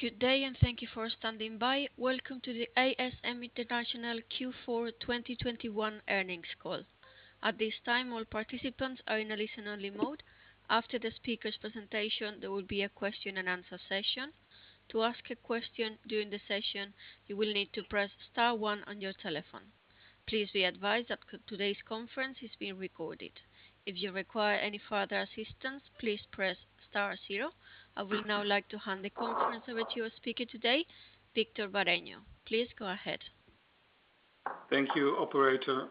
Good day, and thank you for standing by. Welcome to the ASM International Q4 2021 earnings call. At this time, all participants are in a listen-only mode. After the speaker's presentation, there will be a Q&A session. To ask a question during the session, you will need to press star one on your telephone. Please be advised that today's conference is being recorded. If you require any further assistance, please press star zero. I would now like to hand the conference over to your speaker today, Victor Bareño. Please go ahead. Thank you, operator.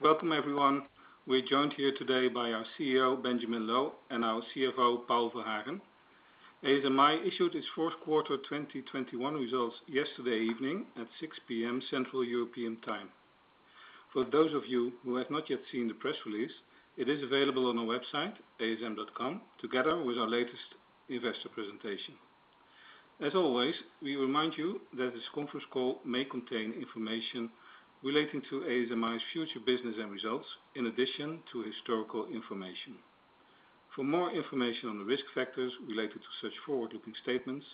Welcome, everyone. We're joined here today by our CEO, Benjamin Loh, and our CFO, Paul Verhagen. ASMI issued its Q4 2021 results yesterday evening at 6:00 P.M. Central European Time. For those of you who have not yet seen the press release, it is available on our website, asm.com, together with our latest investor presentation. As always, we remind you that this conference call may contain information relating to ASMI's future business and results, in addition to historical information. For more information on the risk factors related to such forward-looking statements,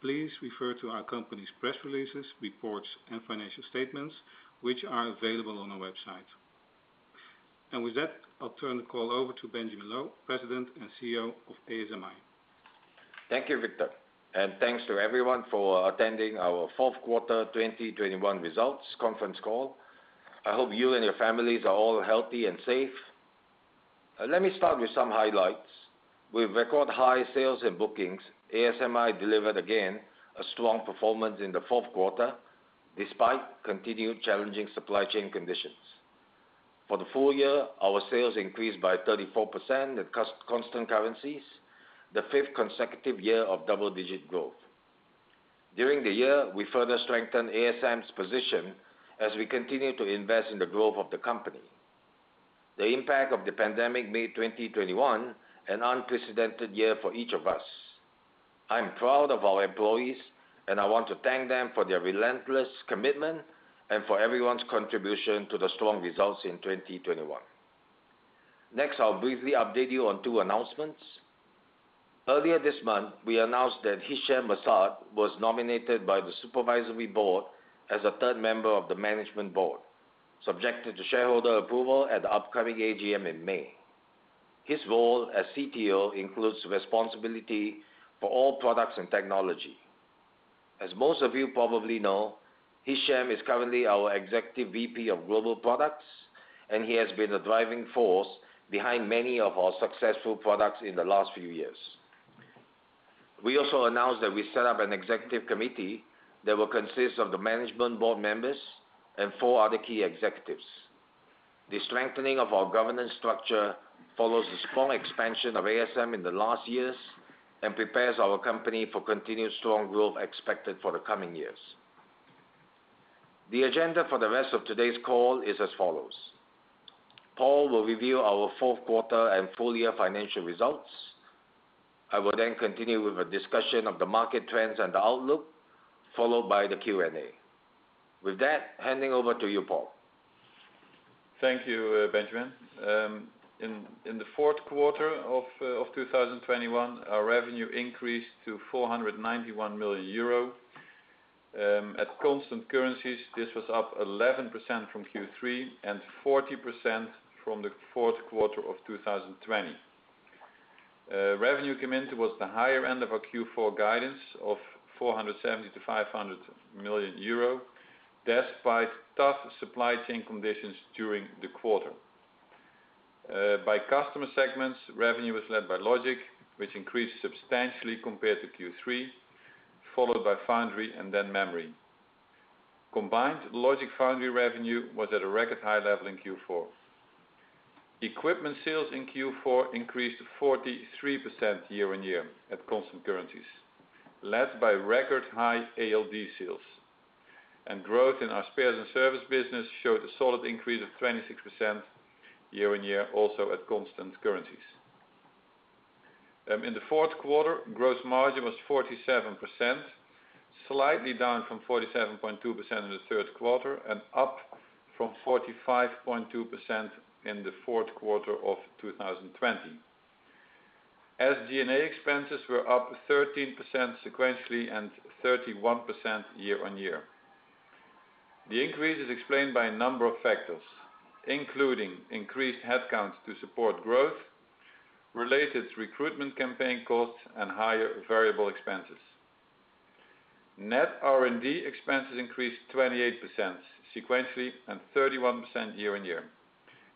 please refer to our company's press releases, reports, and financial statements, which are available on our website. With that, I'll turn the call over to Benjamin Loh, President and CEO of ASMI. Thank you, Victor, and thanks to everyone for attending our Q4 2021 results conference call. I hope you and your families are all healthy and safe. Let me start with some highlights. With record high sales and bookings, ASMI delivered again a strong performance in the Q4, despite continued challenging supply chain conditions. For the full year, our sales increased by 34% at constant currencies, the fifth consecutive year of double-digit growth. During the year, we further strengthened ASM's position as we continue to invest in the growth of the company. The impact of the pandemic made 2021 an unprecedented year for each of us. I'm proud of our employees, and I want to thank them for their relentless commitment and for everyone's contribution to the strong results in 2021. Next, I'll briefly update you on two announcements. Earlier this month, we announced that Hichem M'Saad was nominated by the Supervisory Board as a third member of the Management Board, subject to shareholder approval at the upcoming AGM in May. His role as CTO includes responsibility for all products and technology. As most of you probably know, Hichem M'Saad is currently our Executive VP of Global Products, and he has been the driving force behind many of our successful products in the last few years. We also announced that we set up an executive committee that will consist of the Management Board members and four other key executives. The strengthening of our governance structure follows the strong expansion of ASM in the last years and prepares our company for continued strong growth expected for the coming years. The agenda for the rest of today's call is as follows. Paul will review our Q4 and full year financial results. I will then continue with a discussion of the market trends and the outlook, followed by the Q&A. With that, handing over to you, Paul. Thank you, Benjamin. In the Q4 of 2021, our revenue increased to 491 million euro. At constant currencies, this was up 11% from Q3 and 40% from the Q4 of 2020. Revenue came in towards the higher end of our Q4 guidance of 470 million-500 million euro, despite tough supply chain conditions during the quarter. By customer segments, revenue was led by Logic, which increased substantially compared to Q3, followed by Foundry and then Memory. Combined, Logic/Foundry revenue was at a record high level in Q4. Equipment sales in Q4 increased 43% year-on-year at constant currencies, led by record high ALD sales. Growth in our spares and services business showed a solid increase of 26% year-on-year, also at constant currencies. In the Q4, gross margin was 47%, slightly down from 47.2% in the Q3 and up from 45.2% in the Q4 of 2020. SG&A expenses were up 13% sequentially and 31% year-on-year. The increase is explained by a number of factors, including increased headcounts to support growth, related recruitment campaign costs, and higher variable expenses. Net R&D expenses increased 28% sequentially and 31% year-on-year,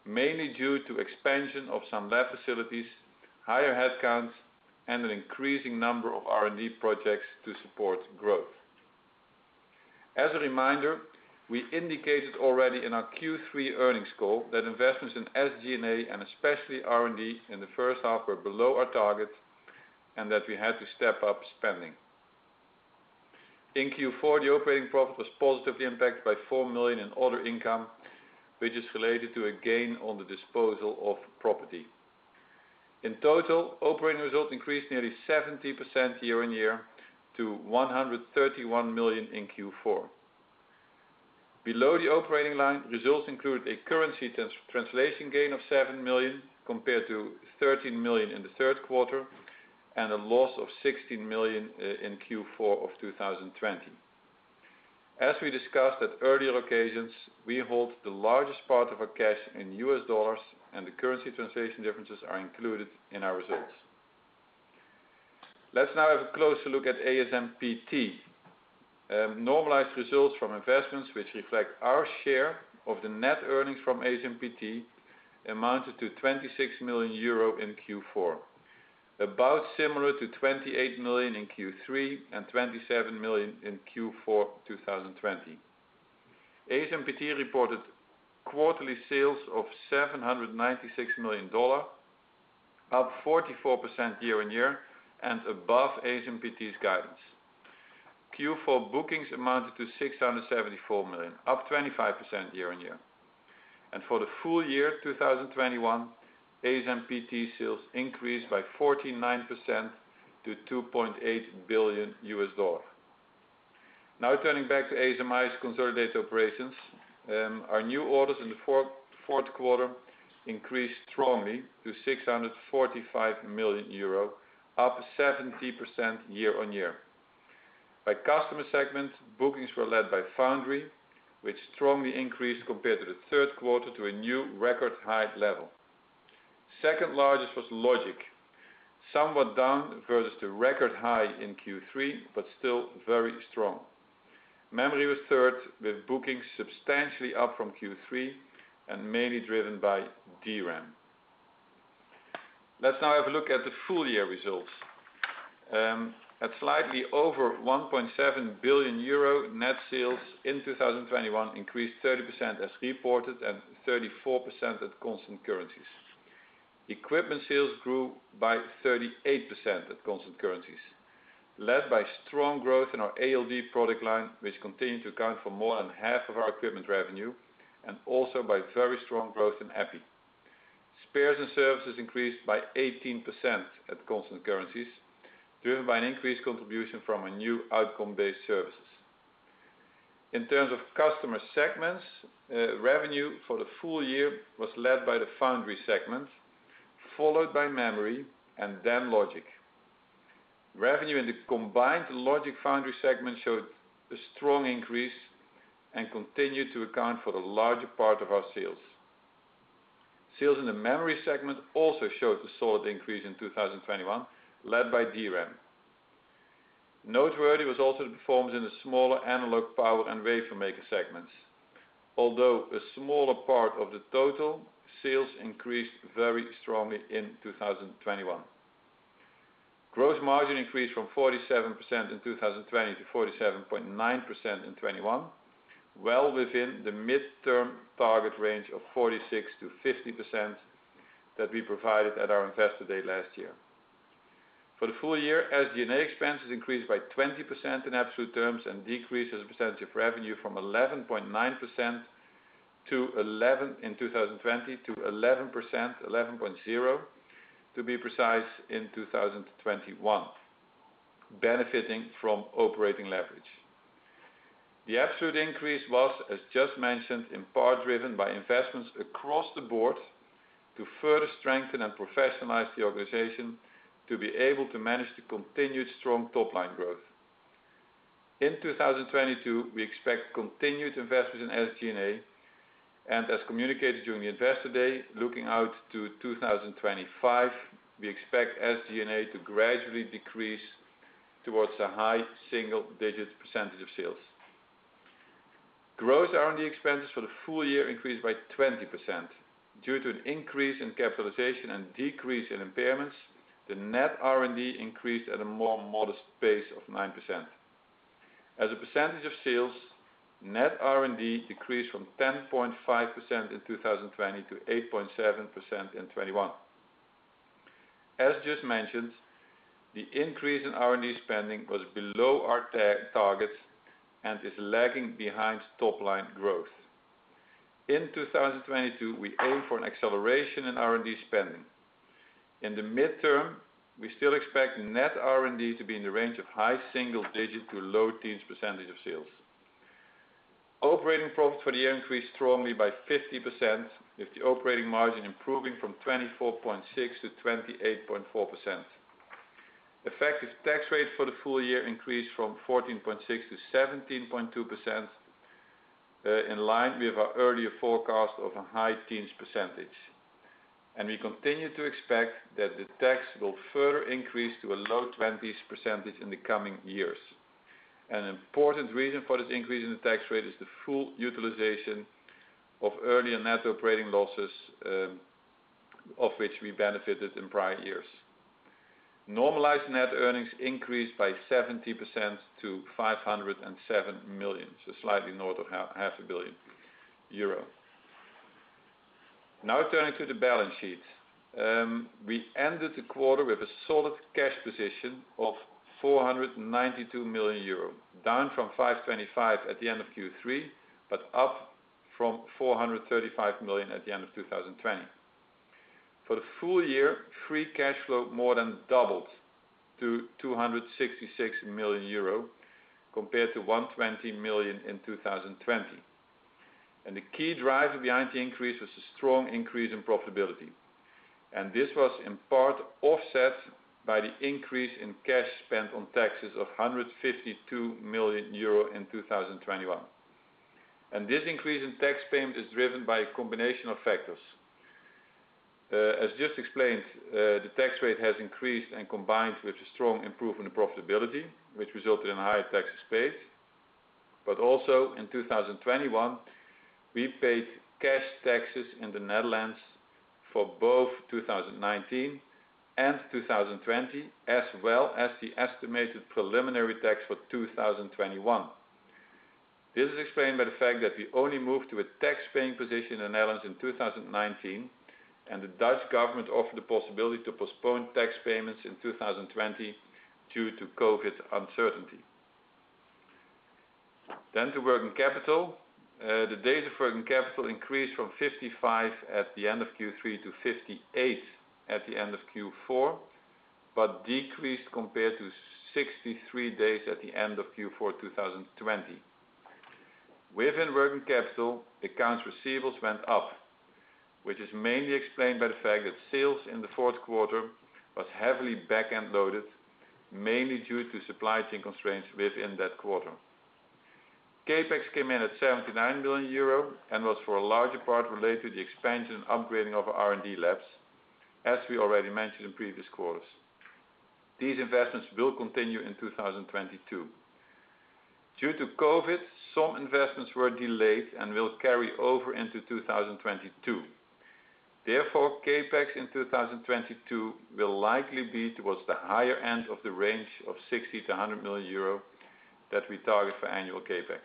mainly due to expansion of some lab facilities, higher headcounts, and an increasing number of R&D projects to support growth. As a reminder, we indicated already in our Q3 earnings call that investments in SG&A, and especially R&D in the first half were below our target and that we had to step up spending. In Q4, the operating profit was positively impacted by 4 million in other income, which is related to a gain on the disposal of property. In total, operating results increased nearly 70% year-on-year to 131 million in Q4. Below the operating line, results include a currency translation gain of 7 million compared to 13 million in the Q3, and a loss of 16 million in Q4 of 2020. As we discussed at earlier occasions, we hold the largest part of our cash in US dollars, and the currency translation differences are included in our results. Let's now have a closer look at ASMPT. Normalized results from investments which reflect our share of the net earnings from ASMPT amounted to 26 million euro in Q4, about similar to 28 million in Q3 and 27 million in Q4 2020. ASMPT reported quarterly sales of $796 million, up 44% year-on-year, and above ASMPT's guidance. Q4 bookings amounted to $674 million, up 25% year-on-year. For the full year 2021, ASMPT sales increased by 49% to $2.8 billion. Now turning back to ASMI's consolidated operations. Our new orders in the Q4 increased strongly to 645 million euro, up 70% year-on-year. By customer segment, bookings were led by Foundry, which strongly increased compared to the Q3 to a new record high level. Second largest was Logic, somewhat down versus the record high in Q3, but still very strong. Memory was third, with bookings substantially up from Q3 and mainly driven by DRAM. Let's now have a look at the full year results. At slightly over 1.7 billion euro, net sales in 2021 increased 30% as reported and 34% at constant currencies. Equipment sales grew by 38% at constant currencies, led by strong growth in our ALD product line, which continued to account for more than half of our equipment revenue, and also by very strong growth in EPI. Spares and services increased by 18% at constant currencies, driven by an increased contribution from our new outcome-based services. In terms of customer segments, revenue for the full year was led by the Foundry segment, followed by Memory and then Logic. Revenue in the combined Logic Foundry segment showed a strong increase and continued to account for the larger part of our sales. Sales in the Memory segment also showed a solid increase in 2021, led by DRAM. Noteworthy was also the performance in the smaller Analog Power and Wafer Maker segments. Although a smaller part of the total, sales increased very strongly in 2021. Gross margin increased from 47% in 2020 to 47.9% in 2021, well within the midterm target range of 46%-50% that we provided at our Investor Day last year. For the full year, SG&A expenses increased by 20% in absolute terms and decreased as a percentage of revenue from 11.9% -11% in 2020, to 11%, 11.0% to be precise in 2021, benefiting from operating leverage. The absolute increase was, as just mentioned, in part driven by investments across the board to further strengthen and professionalize the organization to be able to manage the continued strong top-line growth. In 2022, we expect continued investments in SG&A, and as communicated during the Investor Day, looking out to 2025, we expect SG&A to gradually decrease towards a high single-digit percentage of sales. Gross R&D expenses for the full year increased by 20%. Due to an increase in capitalization and decrease in impairments, the net R&D increased at a more modest pace of 9%. As a percentage of sales, net R&D decreased from 10.5% in 2020 to 8.7% in 2021. As just mentioned, the increase in R&D spending was below our targets and is lagging behind top-line growth. In 2022, we aim for an acceleration in R&D spending. In the midterm, we still expect net R&D to be in the range of high single digit to low teens percentage of sales. Operating profit for the year increased strongly by 50%, with the operating margin improving from 24.6%-28.4%. Effective tax rate for the full year increased from 14.6%-17.2%, in line with our earlier forecast of a high teens percentage. We continue to expect that the tax will further increase to a low 20s percentage in the coming years. An important reason for this increase in the tax rate is the full utilization of earlier net operating losses, of which we benefited in prior years. Normalized net earnings increased by 70% to 507 million, so slightly north of 500 million euro. Now turning to the balance sheet. We ended the quarter with a solid cash position of 492 million euro, down from 525 million at the end of Q3, but up from 435 million at the end of 2020. For the full year, free cash flow more than doubled to 266 million euro compared to 120 million in 2020. The key driver behind the increase was a strong increase in profitability. This was in part offset by the increase in cash spent on taxes of 152 million euro in 2021. This increase in tax payment is driven by a combination of factors. As just explained, the tax rate has increased and combined with a strong improvement in profitability, which resulted in higher taxes paid. Also in 2021, we paid cash taxes in the Netherlands for both 2019 and 2020, as well as the estimated preliminary tax for 2021. This is explained by the fact that we only moved to a tax paying position in the Netherlands in 2019, and the Dutch government offered the possibility to postpone tax payments in 2020 due to COVID uncertainty. To working capital. The days of working capital increased from 55 at the end of Q3 to 58 at the end of Q4, but decreased compared to 63 days at the end of Q4 2020. Within working capital, accounts receivables went up, which is mainly explained by the fact that sales in the Q4 was heavily back-end loaded, mainly due to supply chain constraints within that quarter. CapEx came in at EUR 79 million and was for a larger part related to the expansion and upgrading of R&D labs, as we already mentioned in previous quarters. These investments will continue in 2022. Due to COVID, some investments were delayed and will carry over into 2022. Therefore, CapEx in 2022 will likely be towards the higher end of the range of 60 million-100 million euro that we target for annual CapEx.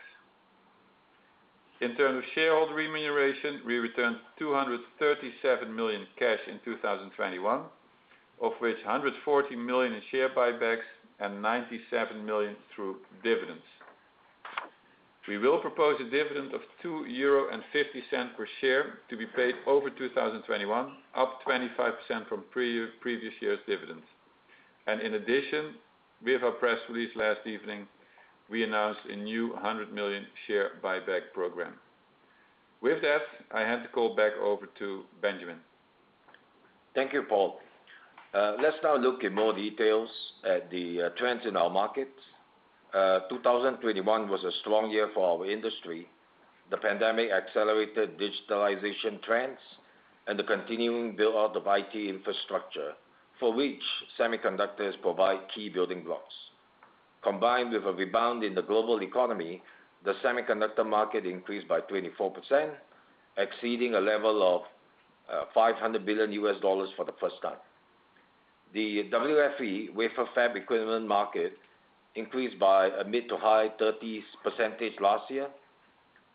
In terms of shareholder remuneration, we returned 237 million cash in 2021, of which 140 million in share buybacks and 97 million through dividends. We will propose a dividend of 2.50 euro per share to be paid over 2021, up 25% from previous year's dividends. In addition, with our press release last evening, we announced a new 100 million share buyback program. With that, I hand the call back over to Benjamin. Thank you, Paul. Let's now look in more details at the trends in our markets. 2021 was a strong year for our industry. The pandemic accelerated digitalization trends and the continuing build-out of IT infrastructure, for which semiconductors provide key building blocks. Combined with a rebound in the global economy, the semiconductor market increased by 24%, exceeding a level of $500 billion for the first time. The WFE, Wafer Fab Equipment market, increased by a mid- to high-30s% last year.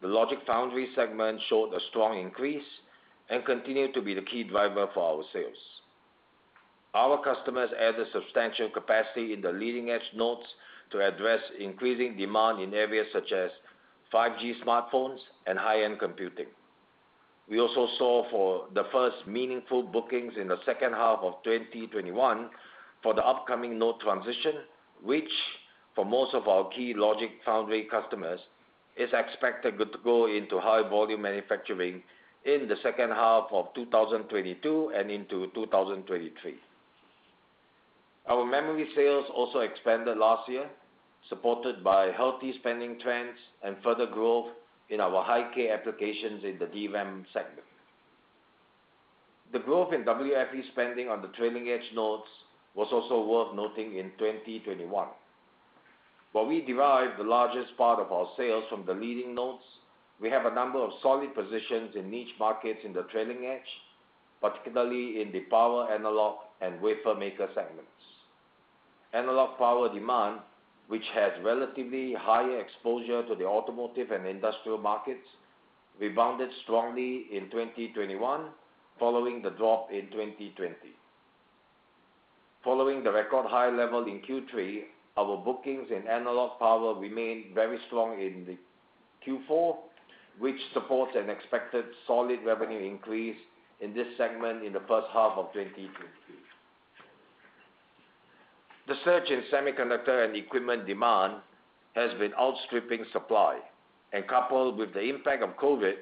The Logic/Foundry segment showed a strong increase and continued to be the key driver for our sales. Our customers added substantial capacity in the leading edge nodes to address increasing demand in areas such as 5G smartphones and high-end computing. We also saw the first meaningful bookings in the second half of 2021 for the upcoming node transition, which for most of our key Logic/Foundry customers, is expected to go into high volume manufacturing in the second half of 2022 and into 2023. Our memory sales also expanded last year, supported by healthy spending trends and further growth in our high-k applications in the DRAM segment. The growth in WFE spending on the trailing edge nodes was also worth noting in 2021. While we derive the largest part of our sales from the leading nodes, we have a number of solid positions in niche markets in the trailing edge, particularly in the power Analog Power and Wafer Maker segments. Analog Power demand, which has relatively higher exposure to the automotive and industrial markets, rebounded strongly in 2021, following the drop in 2020. Following the record high level in Q3, our bookings in Analog Power remained very strong in Q4, which supports an expected solid revenue increase in this segment in the first half of 2022. The surge in semiconductor and equipment demand has been outstripping supply, and coupled with the impact of COVID,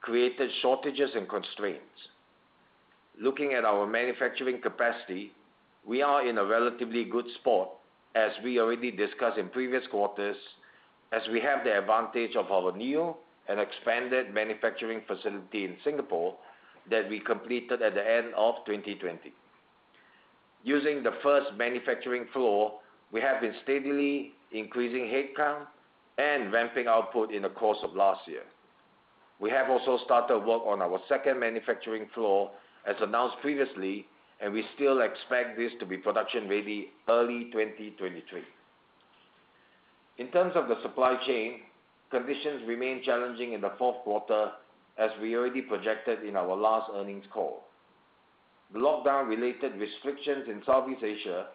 created shortages and constraints. Looking at our manufacturing capacity, we are in a relatively good spot, as we already discussed in previous quarters, as we have the advantage of our new and expanded manufacturing facility in Singapore that we completed at the end of 2020. Using the first manufacturing floor, we have been steadily increasing headcount and ramping output in the course of last year. We have also started work on our second manufacturing floor, as announced previously, and we still expect this to be production ready early 2023. In terms of the supply chain, conditions remained challenging in the Q4, as we already projected in our last earnings call. The lockdown-related restrictions in Southeast Asia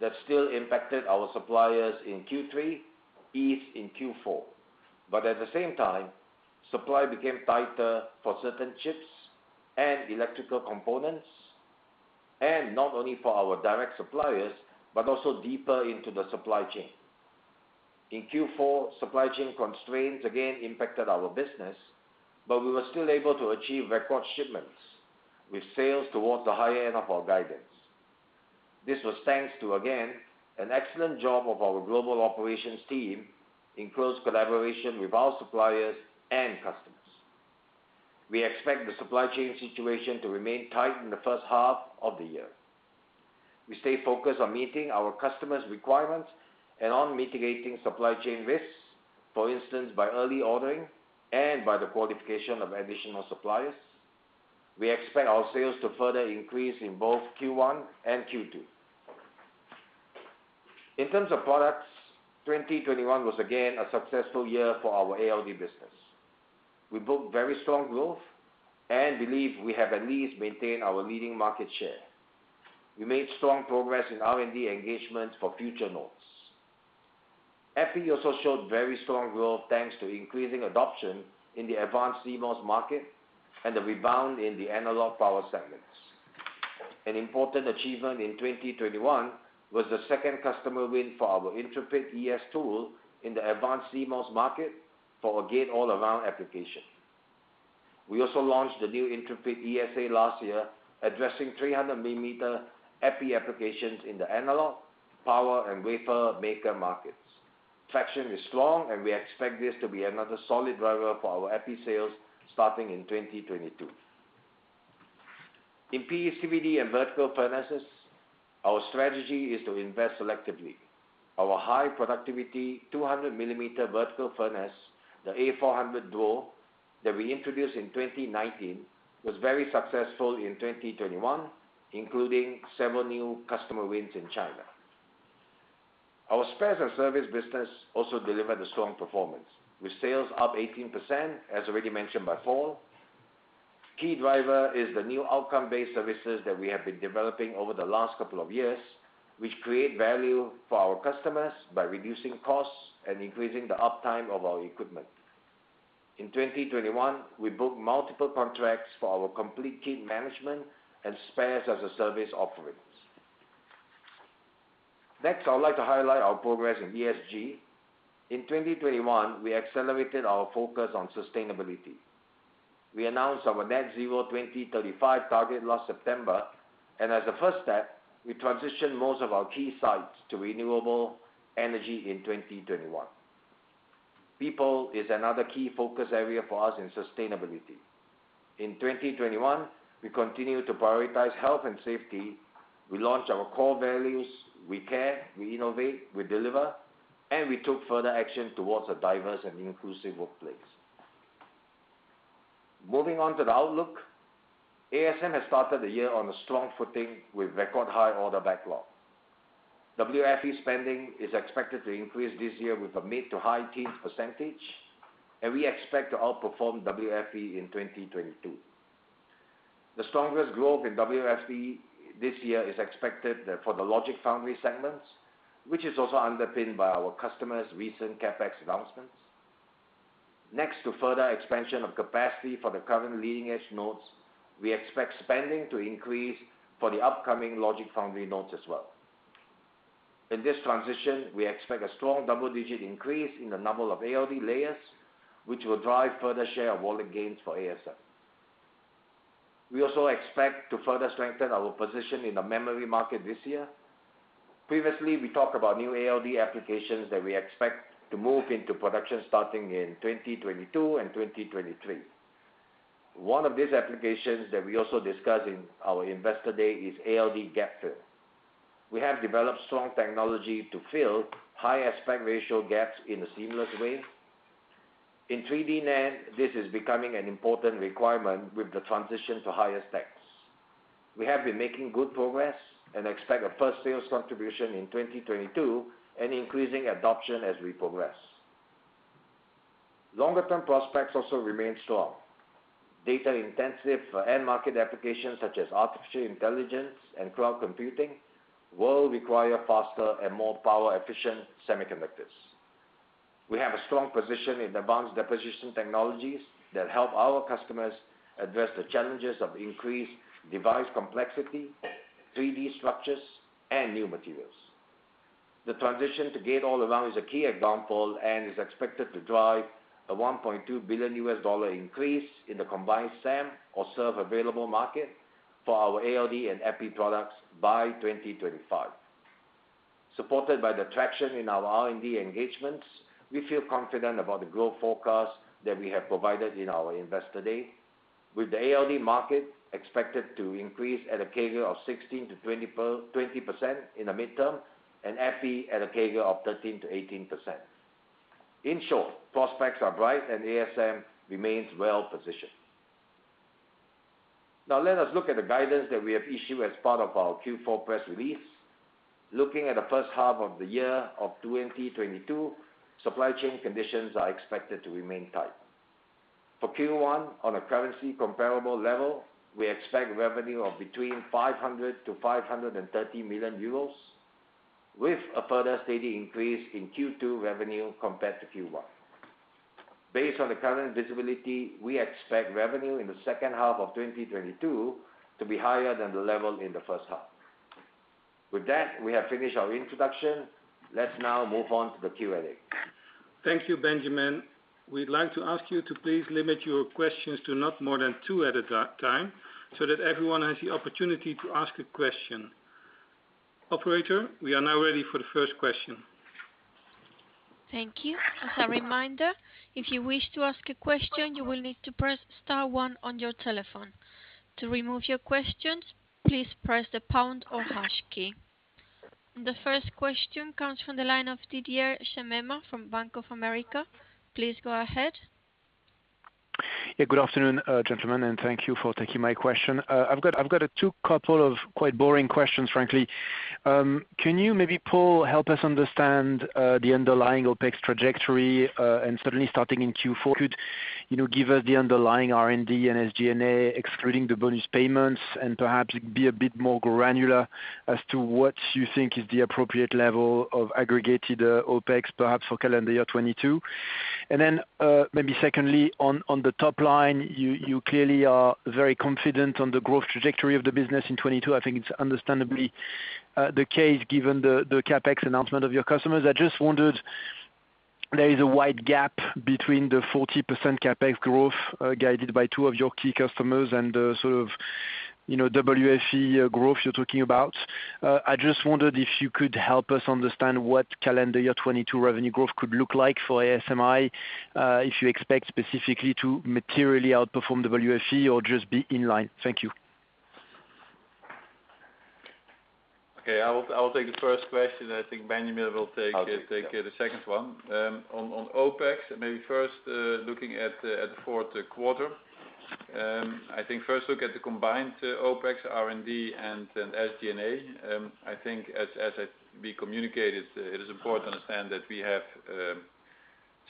that still impacted our suppliers in Q3, eased in Q4. At the same time, supply became tighter for certain chips and electrical components, and not only for our direct suppliers, but also deeper into the supply chain. In Q4, supply chain constraints again impacted our business, but we were still able to achieve record shipments with sales towards the higher end of our guidance. This was thanks to, again, an excellent job of our global operations team in close collaboration with our suppliers and customers. We expect the supply chain situation to remain tight in the first half of the year. We stay focused on meeting our customers' requirements and on mitigating supply chain risks, for instance, by early ordering and by the qualification of additional suppliers. We expect our sales to further increase in both Q1 and Q2. In terms of products, 2021 was again a successful year for our ALD business. We booked very strong growth and believe we have at least maintained our leading market share. We made strong progress in R&D engagements for future nodes. EPI also showed very strong growth, thanks to increasing adoption in the advanced CMOS market and the rebound in the analog power segments. An important achievement in 2021 was the second customer win for our Intrepid ES tool in the advanced CMOS market for a gate-all-around application. We also launched the new Intrepid ESA last year, addressing 300 millimeter EPI applications in the analog, power, and wafer maker markets. Traction is strong, and we expect this to be another solid driver for our EPI sales starting in 2022. In PECVD and vertical furnaces, our strategy is to invest selectively. Our high productivity, 200 mm vertical furnace, the A400 DUO, that we introduced in 2019, was very successful in 2021, including several new customer wins in China. Our Spares & Services business also delivered a strong performance, with sales up 18%, as already mentioned by Paul. Key driver is the new outcome-based services that we have been developing over the last couple of years, which create value for our customers by reducing costs and increasing the uptime of our equipment. In 2021, we booked multiple contracts for our Complete Kit Management and spares as a service offerings. Next, I would like to highlight our progress in ESG. In 2021, we accelerated our focus on sustainability. We announced our net-zero 2035 target last September, and as a first step, we transitioned most of our key sites to renewable energy in 2021. People is another key focus area for us in sustainability. In 2021, we continued to prioritize health and safety. We launched our core values, We Care, We Innovate, We Deliver, and we took further action towards a diverse and inclusive workplace. Moving on to the outlook, ASM has started the year on a strong footing with record high order backlog. WFE spending is expected to increase this year with a mid- to high-teens %, and we expect to outperform WFE in 2022. The strongest growth in WFE this year is expected for the logic/foundry segments, which is also underpinned by our customers' recent CapEx announcements. Next, to further expansion of capacity for the current leading-edge nodes, we expect spending to increase for the upcoming Logic/Foundry nodes as well. In this transition, we expect a strong double-digit increase in the number of ALD layers, which will drive further share of wallet gains for ASM. We also expect to further strengthen our position in the Memory market this year. Previously, we talked about new ALD applications that we expect to move into production starting in 2022 and 2023. One of these applications that we also discussed in our Investor Day is ALD gap-fill. We have developed strong technology to fill high aspect ratio gaps in a seamless way. In 3D NAND, this is becoming an important requirement with the transition to higher stacks. We have been making good progress and expect a first sales contribution in 2022 and increasing adoption as we progress. Longer term prospects also remain strong. Data-intensive end market applications such as artificial intelligence and cloud computing will require faster and more power-efficient semiconductors. We have a strong position in advanced deposition technologies that help our customers address the challenges of increased device complexity, 3D structures, and new materials. The transition to gate-all-around is a key example and is expected to drive a $1.2 billion increase in the combined SAM or serviceable available market for our ALD and EPI products by 2025. Supported by the traction in our R&D engagements, we feel confident about the growth forecast that we have provided in our Investor Day, with the ALD market expected to increase at a CAGR of 16%-20% in the midterm and EPI at a CAGR of 13%-18%. In short, prospects are bright and ASM remains well-positioned. Now let us look at the guidance that we have issued as part of our Q4 press release. Looking at the first half of the year of 2022, supply chain conditions are expected to remain tight. For Q1 on a currency comparable level, we expect revenue of between 500 million-530 million euros, with a further steady increase in Q2 revenue compared to Q1. Based on the current visibility, we expect revenue in the second half of 2022 to be higher than the level in the first half. With that, we have finished our introduction. Let's now move on to the Q&A. Thank you, Benjamin. We'd like to ask you to please limit your questions to not more than two at a time, so that everyone has the opportunity to ask a question. Operator, we are now ready for the first question. Thank you. As a reminder, if you wish to ask a question, you will need to press star one on your telephone. To remove your questions, please press the pound or hash key. The first question comes from the line of Didier Scemama from Bank of America. Please go ahead. Yeah. Good afternoon, gentlemen, and thank you for taking my question. I've got a couple of quite boring questions, frankly. Can you maybe, Paul, help us understand the underlying OPEX trajectory, and certainly starting in Q4 could you know give us the underlying R&D and SG&A, excluding the bonus payments, and perhaps be a bit more granular as to what you think is the appropriate level of aggregated OPEX, perhaps for calendar year 2022. Then, maybe secondly, on the top line, you clearly are very confident on the growth trajectory of the business in 2022. I think it's understandably the case given the CapEx announcement of your customers. I just wondered, there is a wide gap between the 40% CapEx growth guided by two of your key customers and the sort of WFE growth you're talking about. I just wondered if you could help us understand what calendar year 2022 revenue growth could look like for ASMI, if you expect specifically to materially outperform WFE or just be in line. Thank you. Okay. I'll take the first question. I think Benjamin will take- I'll take the second one. On OPEX, maybe first looking at the Q4. I think first look at the combined OPEX, R&D and SG&A. I think as we communicated, it is important to understand that we have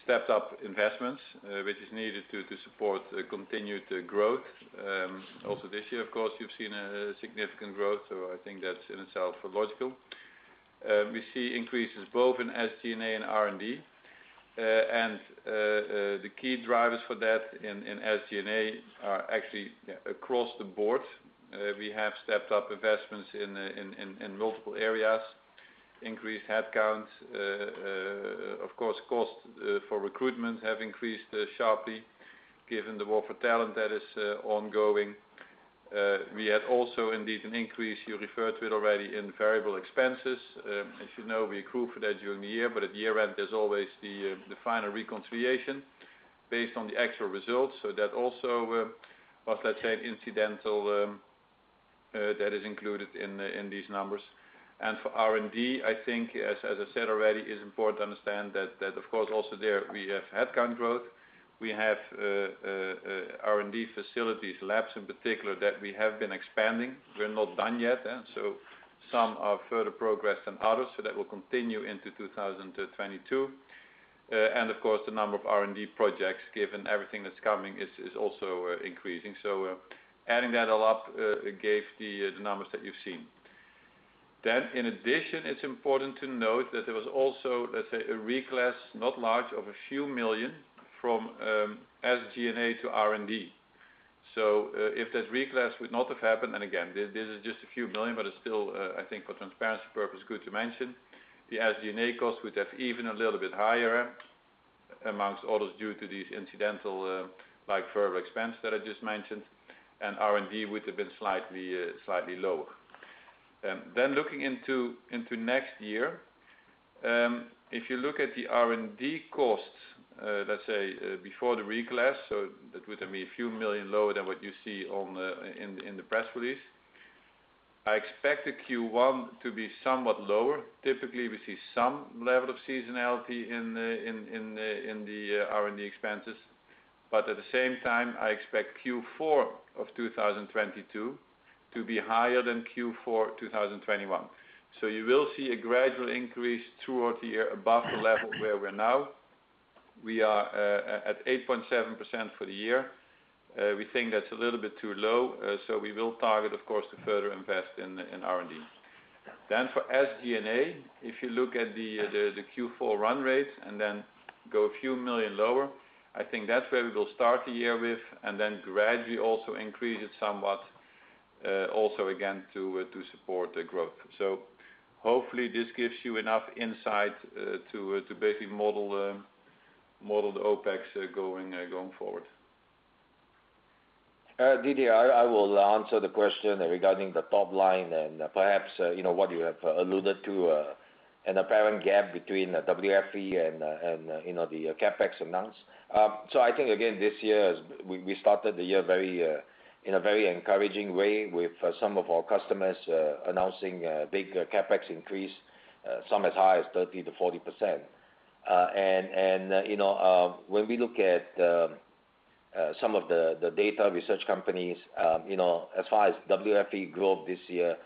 stepped up investments, which is needed to support continued growth. Also this year, of course, you've seen a significant growth, so I think that's in itself logical. We see increases both in SG&A and R&D. The key drivers for that in SG&A are actually across the board. We have stepped up investments in multiple areas, increased headcount. Of course, costs for recruitment have increased sharply given the war for talent that is ongoing. We had also indeed an increase, you referred to it already, in variable expenses. As you know, we accrue for that during the year, but at year-end there's always the final reconciliation based on the actual results. That also was, let's say, an incidental that is included in these numbers. For R&D, I think as I said already, it's important to understand that of course also there we have headcount growth. We have R&D facilities, labs in particular, that we have been expanding. We're not done yet, and so some are further along than others. That will continue into 2022. Of course, the number of R&D projects given everything that's coming is also increasing. Adding that all up gave the numbers that you've seen. In addition, it's important to note that there was also, let's say, a reclass, not large, of a few million EUR from SG&A to R&D. If that reclass would not have happened, and again, this is just a few million, but it's still, I think for transparency purpose good to mention, the SG&A cost would have even a little bit higher among others due to these incidental, like further expense that I just mentioned. R&D would have been slightly lower. Looking into next year, if you look at the R&D costs, let's say, before the reclass, so that would have been a few million EUR lower than what you see in the press release. I expect the Q1 to be somewhat lower. Typically, we see some level of seasonality in the R&D expenses. At the same time, I expect Q4 of 2022 to be higher than Q4 2021. You will see a gradual increase throughout the year above the level where we're now. We are at 8.7% for the year. We think that's a little bit too low, so we will target, of course, to further invest in R&D. For SG&A, if you look at the Q4 run rate and then go a few million lower, I think that's where we will start the year with and then gradually also increase it somewhat, also again to support the growth. Hopefully this gives you enough insight to basically model the OPEX going forward. Didier, I will answer the question regarding the top line and perhaps, you know, what you have alluded to, an apparent gap between WFE and the CapEx announce. I think again, this year we started the year very in a very encouraging way with some of our customers announcing a big CapEx increase, some as high as 30%-40%. You know, when we look at some of the data research companies, you know, as far as WFE growth this year,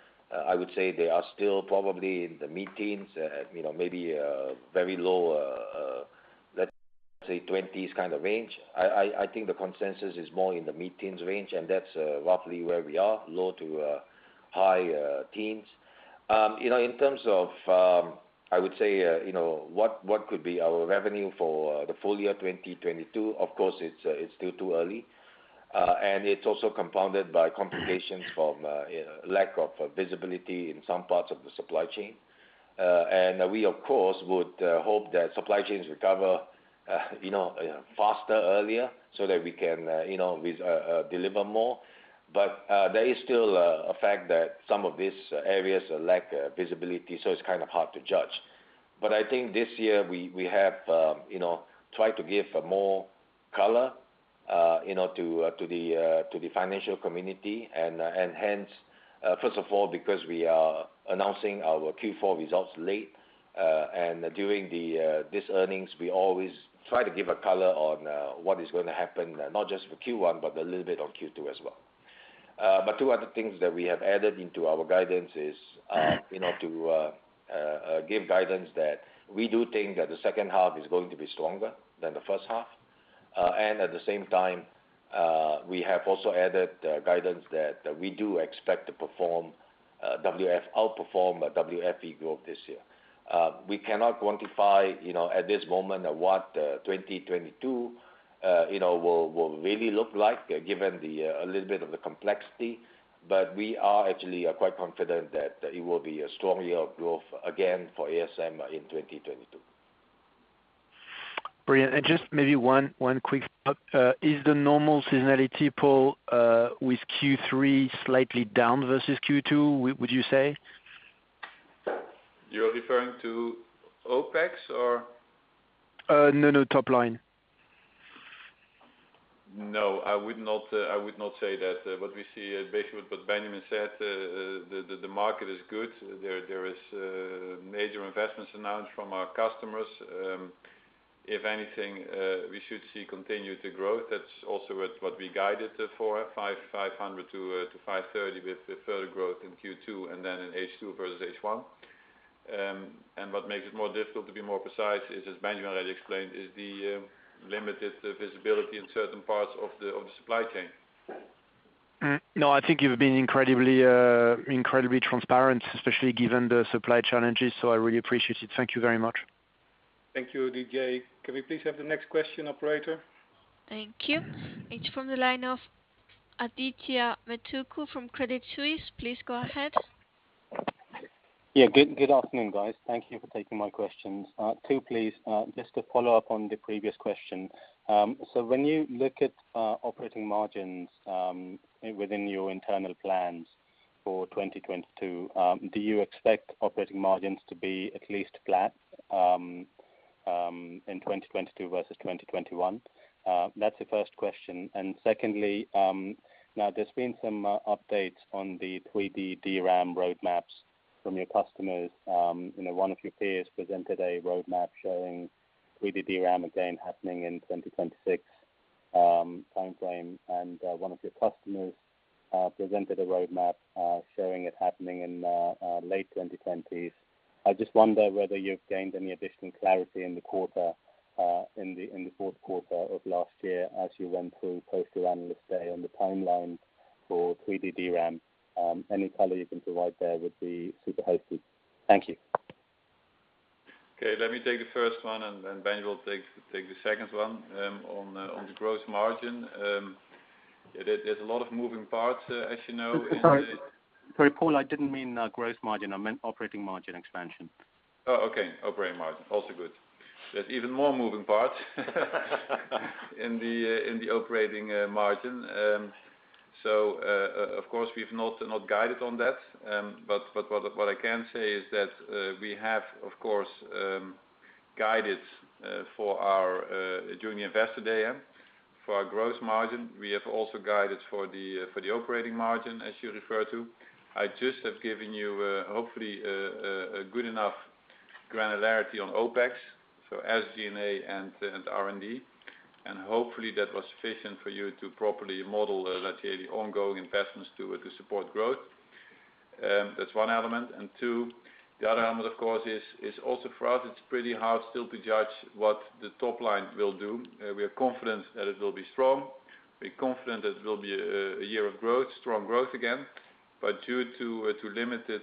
I would say they are still probably in the mid-teens, you know, maybe very low, let's say twenties kind of range. I think the consensus is more in the mid-teens range, and that's roughly where we are, low to high teens. You know, in terms of, I would say, you know, what could be our revenue for the full year 2022. Of course, it's still too early. It's also compounded by complications from, you know, lack of visibility in some parts of the supply chain. We of course would hope that supply chains recover, you know, faster, earlier so that we can, you know, deliver more. There is still a fact that some of these areas lack visibility, so it's kind of hard to judge. I think this year we have, you know, tried to give more color, you know, to the financial community and hence, first of all, because we are announcing our Q4 results late and during this earnings, we always try to give a color on what is gonna happen, not just for Q1, but a little bit on Q2 as well. Two other things that we have added into our guidance is, you know, to give guidance that we do think that the second half is going to be stronger than the first half. At the same time, we have also added guidance that we do expect to outperform WFE growth this year. We cannot quantify, you know, at this moment what 2022 will really look like given a little bit of the complexity. We are actually quite confident that it will be a strong year of growth, again, for ASM in 2022. Brilliant. Just maybe one quick. Is the normal seasonality pull with Q3 slightly down versus Q2, would you say? You're referring to OPEX or? No, no, top line. No, I would not say that. What we see basically what Benjamin said, the market is good. There is major investments announced from our customers. If anything, we should see continued growth. That's also what we guided for, 500 million-530 million with further growth in Q2 and then in H2 versus H1. What makes it more difficult to be more precise is, as Benjamin already explained, the limited visibility in certain parts of the supply chain. No, I think you've been incredibly transparent, especially given the supply challenges, so I really appreciate it. Thank you very much. Thank you, Didier. Can we please have the next question, operator? Thank you. It's from the line of Adithya Metuku from Credit Suisse. Please go ahead. Yeah. Good afternoon, guys. Thank you for taking my questions. Two, please. Just to follow up on the previous question. So when you look at operating margins within your internal plans for 2022, do you expect operating margins to be at least flat in 2022 versus 2021? That's the first question. Secondly, now there's been some updates on the 3D DRAM roadmaps from your customers. You know, one of your peers presented a roadmap showing 3D DRAM again happening in 2026 timeframe. One of your customers presented a roadmap showing it happening in late 2020s. I just wonder whether you've gained any additional clarity in the quarter, in the Q4 of last year as you went through post your Investor Day on the timelines for 3D DRAM. Any color you can provide there would be super helpful. Thank you. Okay. Let me take the first one, and then Ben will take the second one. On the gross margin, there's a lot of moving parts, as you know. Sorry. Sorry, Paul, I didn't mean gross margin. I meant operating margin expansion. Oh, okay. Operating margin, also good. There's even more moving parts in the operating margin. Of course, we've not guided on that. But what I can say is that we have, of course, guided during Investor Day for our gross margin. We have also guided for the operating margin, as you refer to. I just have given you, hopefully, a good enough granularity on OpEx, so SG&A and R&D. Hopefully that was sufficient for you to properly model, let's say the ongoing investments to support growth. That's one element. Two, the other element of course is also for us, it's pretty hard still to judge what the top line will do. We are confident that it will be strong. We're confident that it will be a year of growth, strong growth again, but due to limited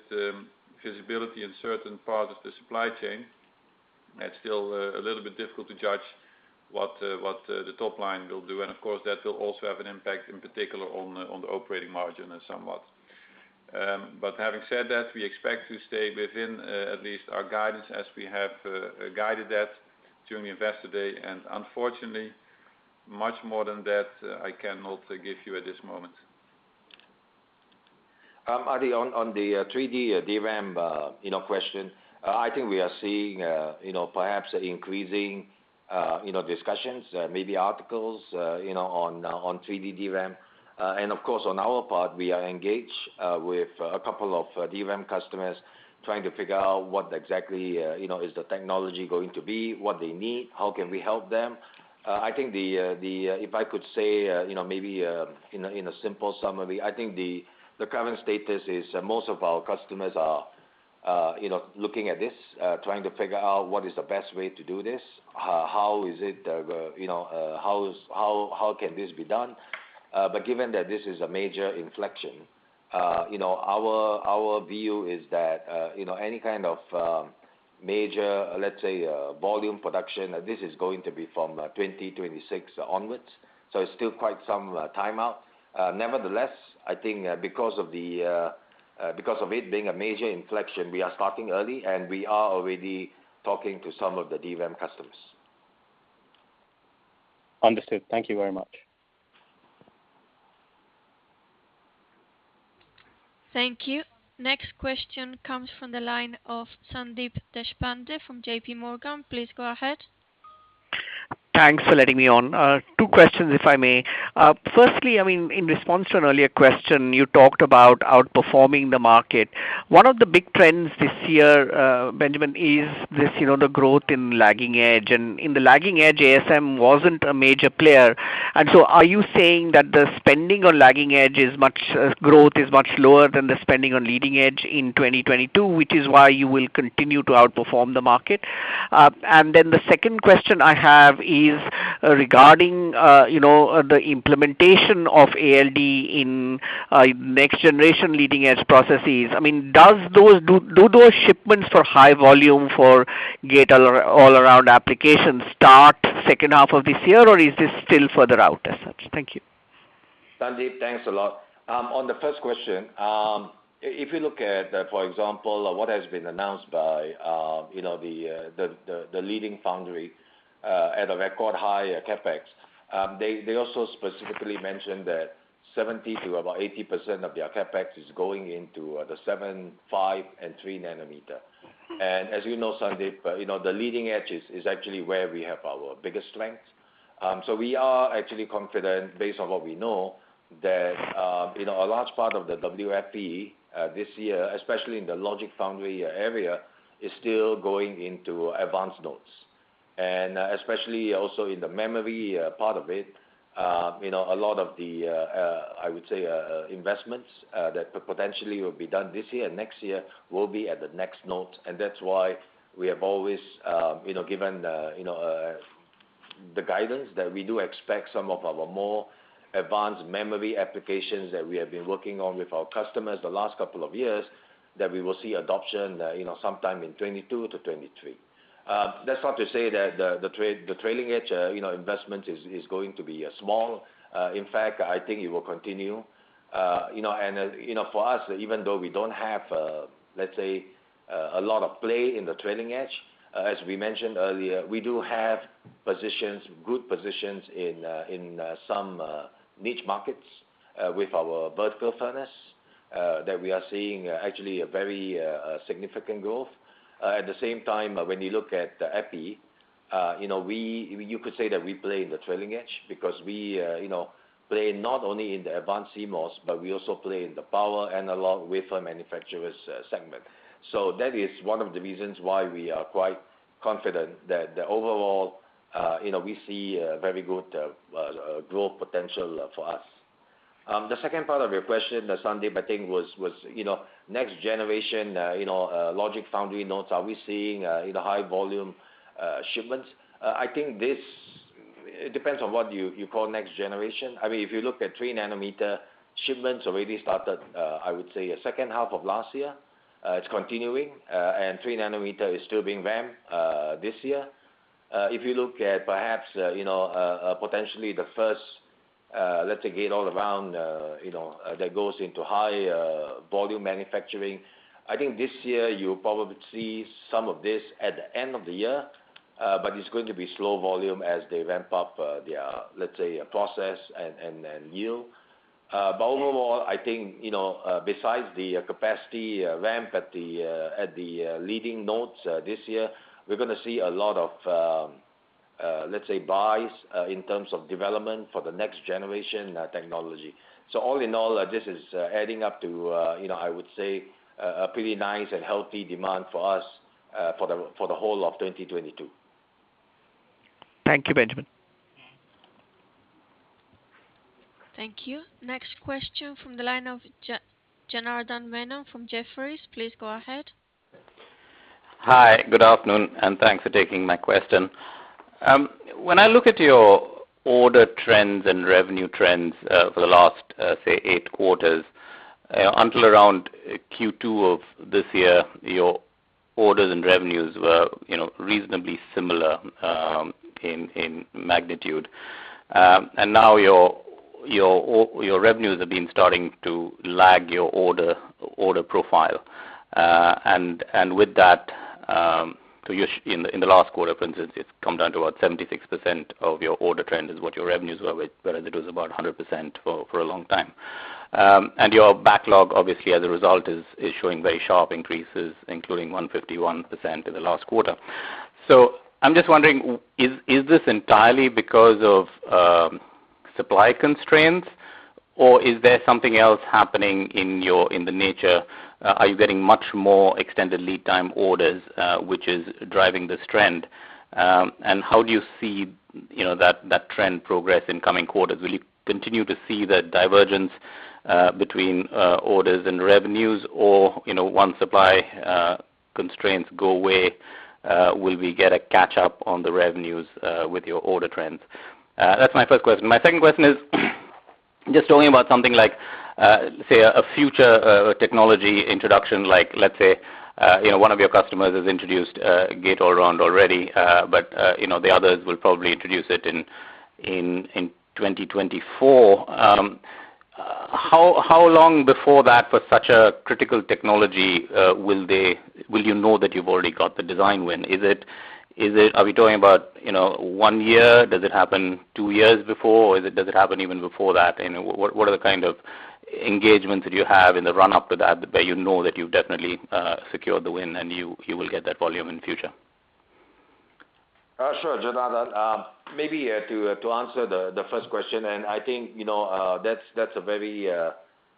visibility in certain parts of the supply chain, it's still a little bit difficult to judge what the top line will do. Of course, that will also have an impact, in particular on the operating margin somewhat. Having said that, we expect to stay within at least our guidance as we have guided that during Investor Day. Unfortunately, much more than that, I cannot give you at this moment. Adi, on the 3D DRAM you know question. I think we are seeing you know, perhaps increasing you know, discussions, maybe articles, you know, on 3D DRAM. And of course, on our part, we are engaged with a couple of DRAM customers trying to figure out what exactly you know is the technology going to be, what they need, how can we help them. I think the, if I could say, you know, maybe, in a simple summary, I think the current status is most of our customers are you know, looking at this, trying to figure out what is the best way to do this, how can this be done? Given that this is a major inflection, you know, our view is that, you know, any kind of major, let's say, volume production, this is going to be from 2026 onwards, so it's still quite some time out. Nevertheless, I think, because of it being a major inflection, we are starting early, and we are already talking to some of the DRAM customers. Understood. Thank you very much. Thank you. Next question comes from the line of Sandeep Deshpande from JP Morgan. Please go ahead. Thanks for letting me on. Two questions, if I may. Firstly, I mean, in response to an earlier question, you talked about outperforming the market. One of the big trends this year, Benjamin, is this, you know, the growth in lagging edge. In the lagging edge, ASM wasn't a major player. Are you saying that the spending on lagging edge is much, growth is much lower than the spending on leading edge in 2022, which is why you will continue to outperform the market? The second question I have is regarding, you know, the implementation of ALD in, next generation leading edge processes. I mean, do those shipments for high volume for gate-all-around applications start second half of this year, or is this still further out as such? Thank you. Sandeep, thanks a lot. On the first question, if you look at, for example, what has been announced by, you know, the leading foundry at a record high CapEx, they also specifically mentioned that 70% to about 80% of their CapEx is going into the 7 nanometer, 5 nanometer, and 3 nanometer. As you know, Sandeep, you know, the leading edge is actually where we have our biggest strength. We are actually confident based on what we know that, you know, a large part of the WFE this year, especially in the logic foundry area, is still going into advanced nodes. Especially also in the memory part of it, you know, a lot of the I would say investments that potentially will be done this year and next year will be at the next node. That's why we have always, you know, given the, you know, the guidance that we do expect some of our more advanced memory applications that we have been working on with our customers the last couple of years, that we will see adoption, you know, sometime in 2022 to 2023. That's not to say that the trailing edge, you know, investment is going to be small. In fact, I think it will continue. You know, for us, even though we don't have, let's say, a lot of play in the trailing edge, as we mentioned earlier, we do have good positions in some niche markets with our vertical furnace that we are seeing actually very significant growth. At the same time, when you look at the EPI, you know, you could say that we play in the trailing edge because we, you know, play not only in the advanced CMOS, but we also play in the power analog wafer manufacturers' segment. That is one of the reasons why we are quite confident that the overall, you know, we see a very good growth potential for us. The second part of your question, Sandeep, I think was, you know, next generation, you know, logic/foundry nodes, are we seeing, you know, high volume shipments? I think this depends on what you call next generation. I mean, if you look at 3 nanometer shipments already started, I would say second half of last year. It's continuing. 3 nanometer is still being ramped this year. If you look at perhaps, you know, potentially the first, let's say gate-all-around, you know, that goes into high volume manufacturing, I think this year you'll probably see some of this at the end of the year, but it's going to be low volume as they ramp up their, let's say, process and yield. Overall, I think, you know, besides the capacity ramp at the leading nodes this year, we're gonna see a lot of, let's say buys, in terms of development for the next generation technology. All in all, this is adding up to, you know, I would say, a pretty nice and healthy demand for us for the whole of 2022. Thank you, Benjamin. Thank you. Next question from the line of Janardhan Vennam from Jefferies. Please go ahead. Hi, good afternoon, and thanks for taking my question. When I look at your order trends and revenue trends, for the last, say eight quarters, until around Q2 of this year, your orders and revenues were, you know, reasonably similar, in magnitude. Now your revenues have been starting to lag your order profile. With that, in the last quarter, for instance, it's come down to about 76% of your order trend is what your revenues were with, whereas it was about 100% for a long time. Your backlog, obviously, as a result, is showing very sharp increases, including 151% in the last quarter. I'm just wondering, is this entirely because of supply constraints, or is there something else happening in the nature? Are you getting much more extended lead time orders, which is driving this trend? How do you see, you know, that trend progress in coming quarters? Will you continue to see that divergence between orders and revenues? You know, once supply constraints go away, will we get a catch-up on the revenues with your order trends? That's my first question. My second question is just talking about something like, say a future technology introduction, like let's say, you know, one of your customers has introduced gate-all-around already. You know, the others will probably introduce it in 2024. How long before that for such a critical technology will you know that you've already got the design win? Are we talking about, you know, one year? Does it happen two years before? Does it happen even before that? What are the kind of engagements that you have in the run up to that you know that you've definitely secured the win and you will get that volume in future? Sure, Janardan. Maybe to answer the first question, I think you know that's a very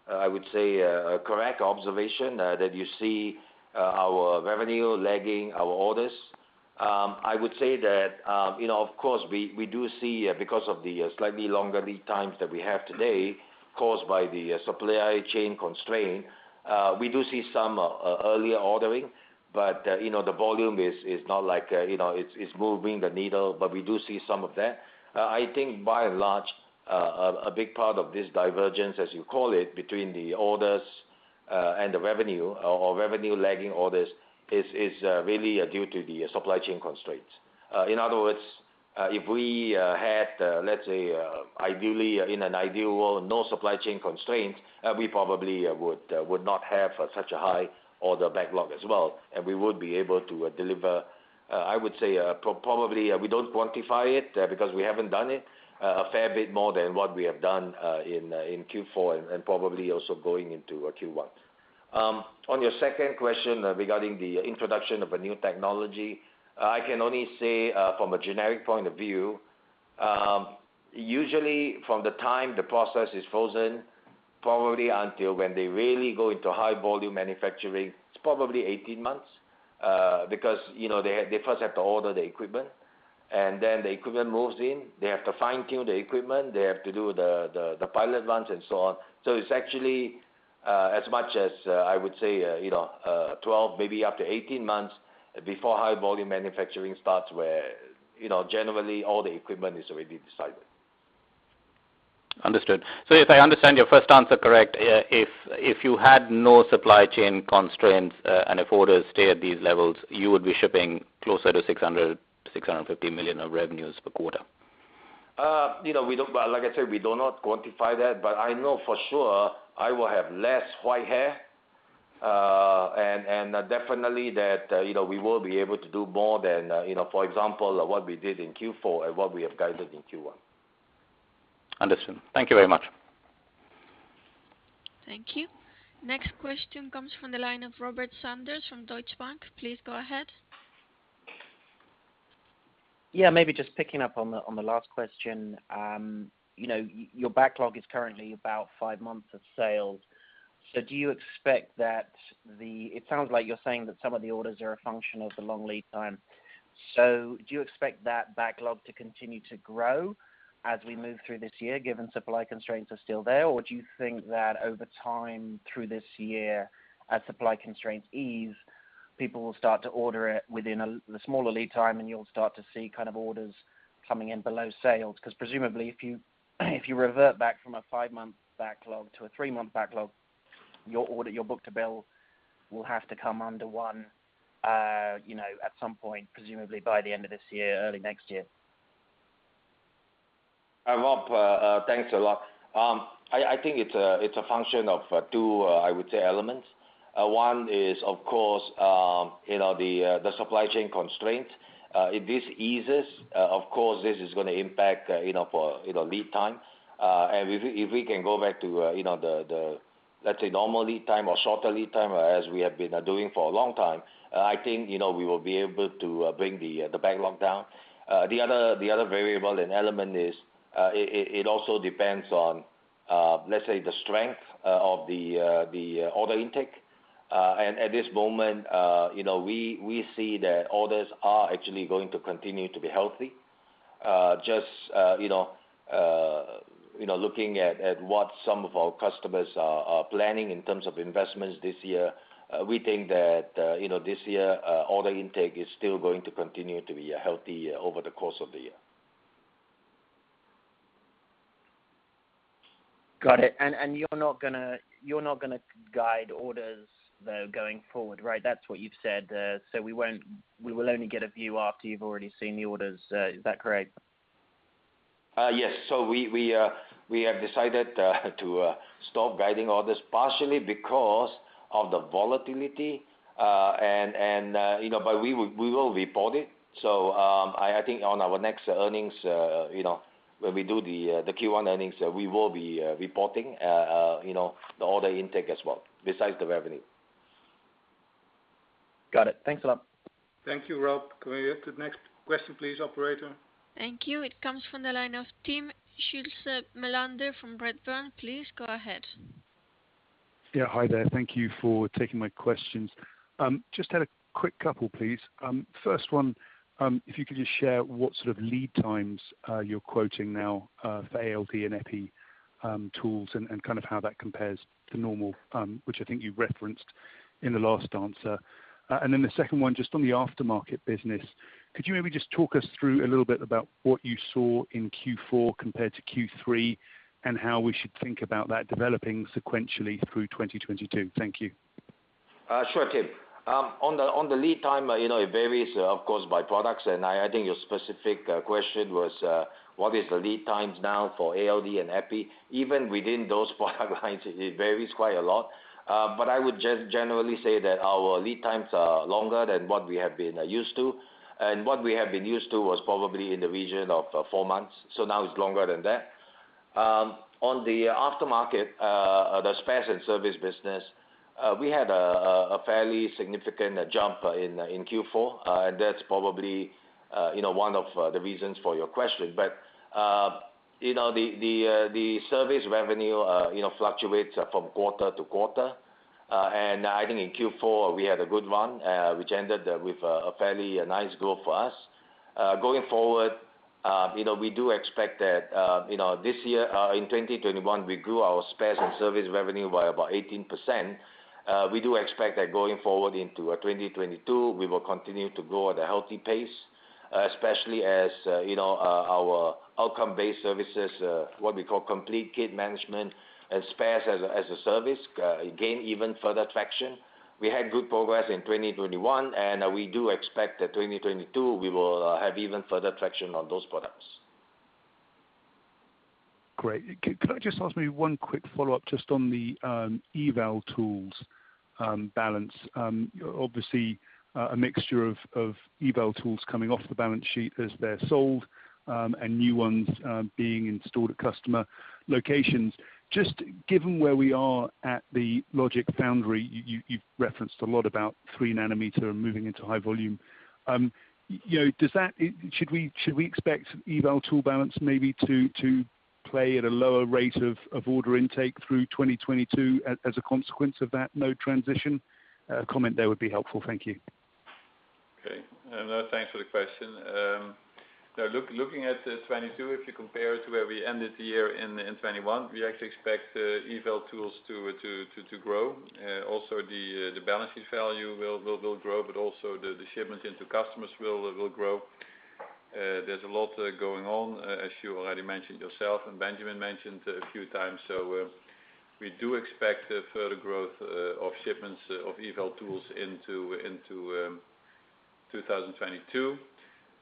I would say correct observation that you see our revenue lagging our orders. I would say that you know of course we do see because of the slightly longer lead times that we have today caused by the supply chain constraint we do see some earlier ordering. You know the volume is not like you know it's moving the needle but we do see some of that. I think by and large a big part of this divergence as you call it between the orders and the revenue or revenue lagging orders is really due to the supply chain constraints. In other words, if we had, let's say, ideally in an ideal world, no supply chain constraints, we probably would not have such a high order backlog as well. We would be able to deliver, I would say, probably, we don't quantify it, because we haven't done it, a fair bit more than what we have done in Q4 and probably also going into Q1. On your second question regarding the introduction of a new technology, I can only say from a generic point of view, usually from the time the process is frozen, probably until when they really go into high volume manufacturing, it's probably 18 months, because, you know, they first have to order the equipment and then the equipment moves in. They have to fine-tune the equipment. They have to do the pilot runs and so on. It's actually, as much as, I would say, you know, 12, maybe up to 18 months before high volume manufacturing starts where, you know, generally all the equipment is already decided. Understood. If I understand your first answer correct, if you had no supply chain constraints, and if orders stay at these levels, you would be shipping closer to 600 million-650 million of revenues per quarter? You know, like I said, we do not quantify that, but I know for sure I will have less white hair, and definitely that, you know, we will be able to do more than, you know, for example, what we did in Q4 and what we have guided in Q1. Understood. Thank you very much. Thank you. Next question comes from the line of Robert Sanders from Deutsche Bank. Please go ahead. Yeah, maybe just picking up on the last question. You know, your backlog is currently about five months of sales. Do you expect that it sounds like you're saying that some of the orders are a function of the long lead time. Do you expect that backlog to continue to grow as we move through this year, given supply constraints are still there? Or do you think that over time through this year, as supply constraints ease, people will start to order it within the smaller lead time and you'll start to see kind of orders coming in below sales? Because presumably if you revert back from a five-month backlog to a three-month backlog, your order book-to-bill will have to come under one, you know, at some point, presumably by the end of this year, early next year. Hi, Rob. Thanks a lot. I think it's a function of two, I would say elements. One is, of course, you know, the supply chain constraint. If this eases, of course, this is gonna impact, you know, the lead time. If we can go back to, you know, the, let's say, normal lead time or shorter lead time as we have been doing for a long time, I think, you know, we will be able to bring the backlog down. The other variable and element is. It also depends on, let's say, the strength of the order intake. At this moment, you know, we see that orders are actually going to continue to be healthy. Just, you know, looking at what some of our customers are planning in terms of investments this year, we think that, you know, this year, order intake is still going to continue to be healthy over the course of the year. Got it. You're not gonna guide orders, though, going forward, right? That's what you've said. We will only get a view after you've already seen the orders. Is that correct? Yes. We have decided to stop guiding orders partially because of the volatility. You know, but we will report it. I think on our next earnings, you know, when we do the Q1 earnings, we will be reporting, you know, the order intake as well, besides the revenue. Got it. Thanks a lot. Thank you, Rob. Can we get to the next question please, operator? Thank you. It comes from the line of Timm Schulze-Melander from Redburn. Please go ahead. Yeah, hi there. Thank you for taking my questions. Just had a quick couple, please. First one, if you could just share what sort of lead times you're quoting now for ALD and EPI tools and kind of how that compares to normal, which I think you referenced in the last answer. And then the second one, just on the aftermarket business, could you maybe just talk us through a little bit about what you saw in Q4 compared to Q3, and how we should think about that developing sequentially through 2022? Thank you. Sure, Tim. On the lead time, you know, it varies of course by products, and I think your specific question was what is the lead times now for ALD and EPI. Even within those product lines it varies quite a lot. I would just generally say that our lead times are longer than what we have been used to, and what we have been used to was probably in the region of four months. So now it's longer than that. On the aftermarket, the spares and service business, we had a fairly significant jump in Q4. And that's probably you know one of the reasons for your question. You know, the service revenue you know fluctuates from quarter-to-quarter. I think in Q4 we had a good one, which ended with a fairly nice growth for us. Going forward, you know, we do expect that, you know, this year, in 2021 we grew our spares and service revenue by about 18%. We do expect that going forward into 2022, we will continue to grow at a healthy pace, especially as, you know, our outcome-based services, what we call Complete Kit Management and spares as a service, gain even further traction. We had good progress in 2021, and we do expect that 2022, we will have even further traction on those products. Great. Could I just ask maybe one quick follow-up just on the eval tools balance? Obviously, a mixture of eval tools coming off the balance sheet as they're sold and new ones being installed at customer locations. Just given where we are at the Logic/Foundry, you've referenced a lot about 3 nanometer and moving into high volume. You know, should we expect eval tool balance maybe to play at a lower rate of order intake through 2022 as a consequence of that node transition? A comment there would be helpful. Thank you. Okay, thanks for the question. Looking at 2022, if you compare it to where we ended the year in 2021, we actually expect the eval tools to grow. Also, the balances value will grow, but also the shipment into customers will grow. There's a lot going on, as you already mentioned yourself, and Benjamin mentioned a few times. We do expect a further growth of shipments of eval tools into 2022.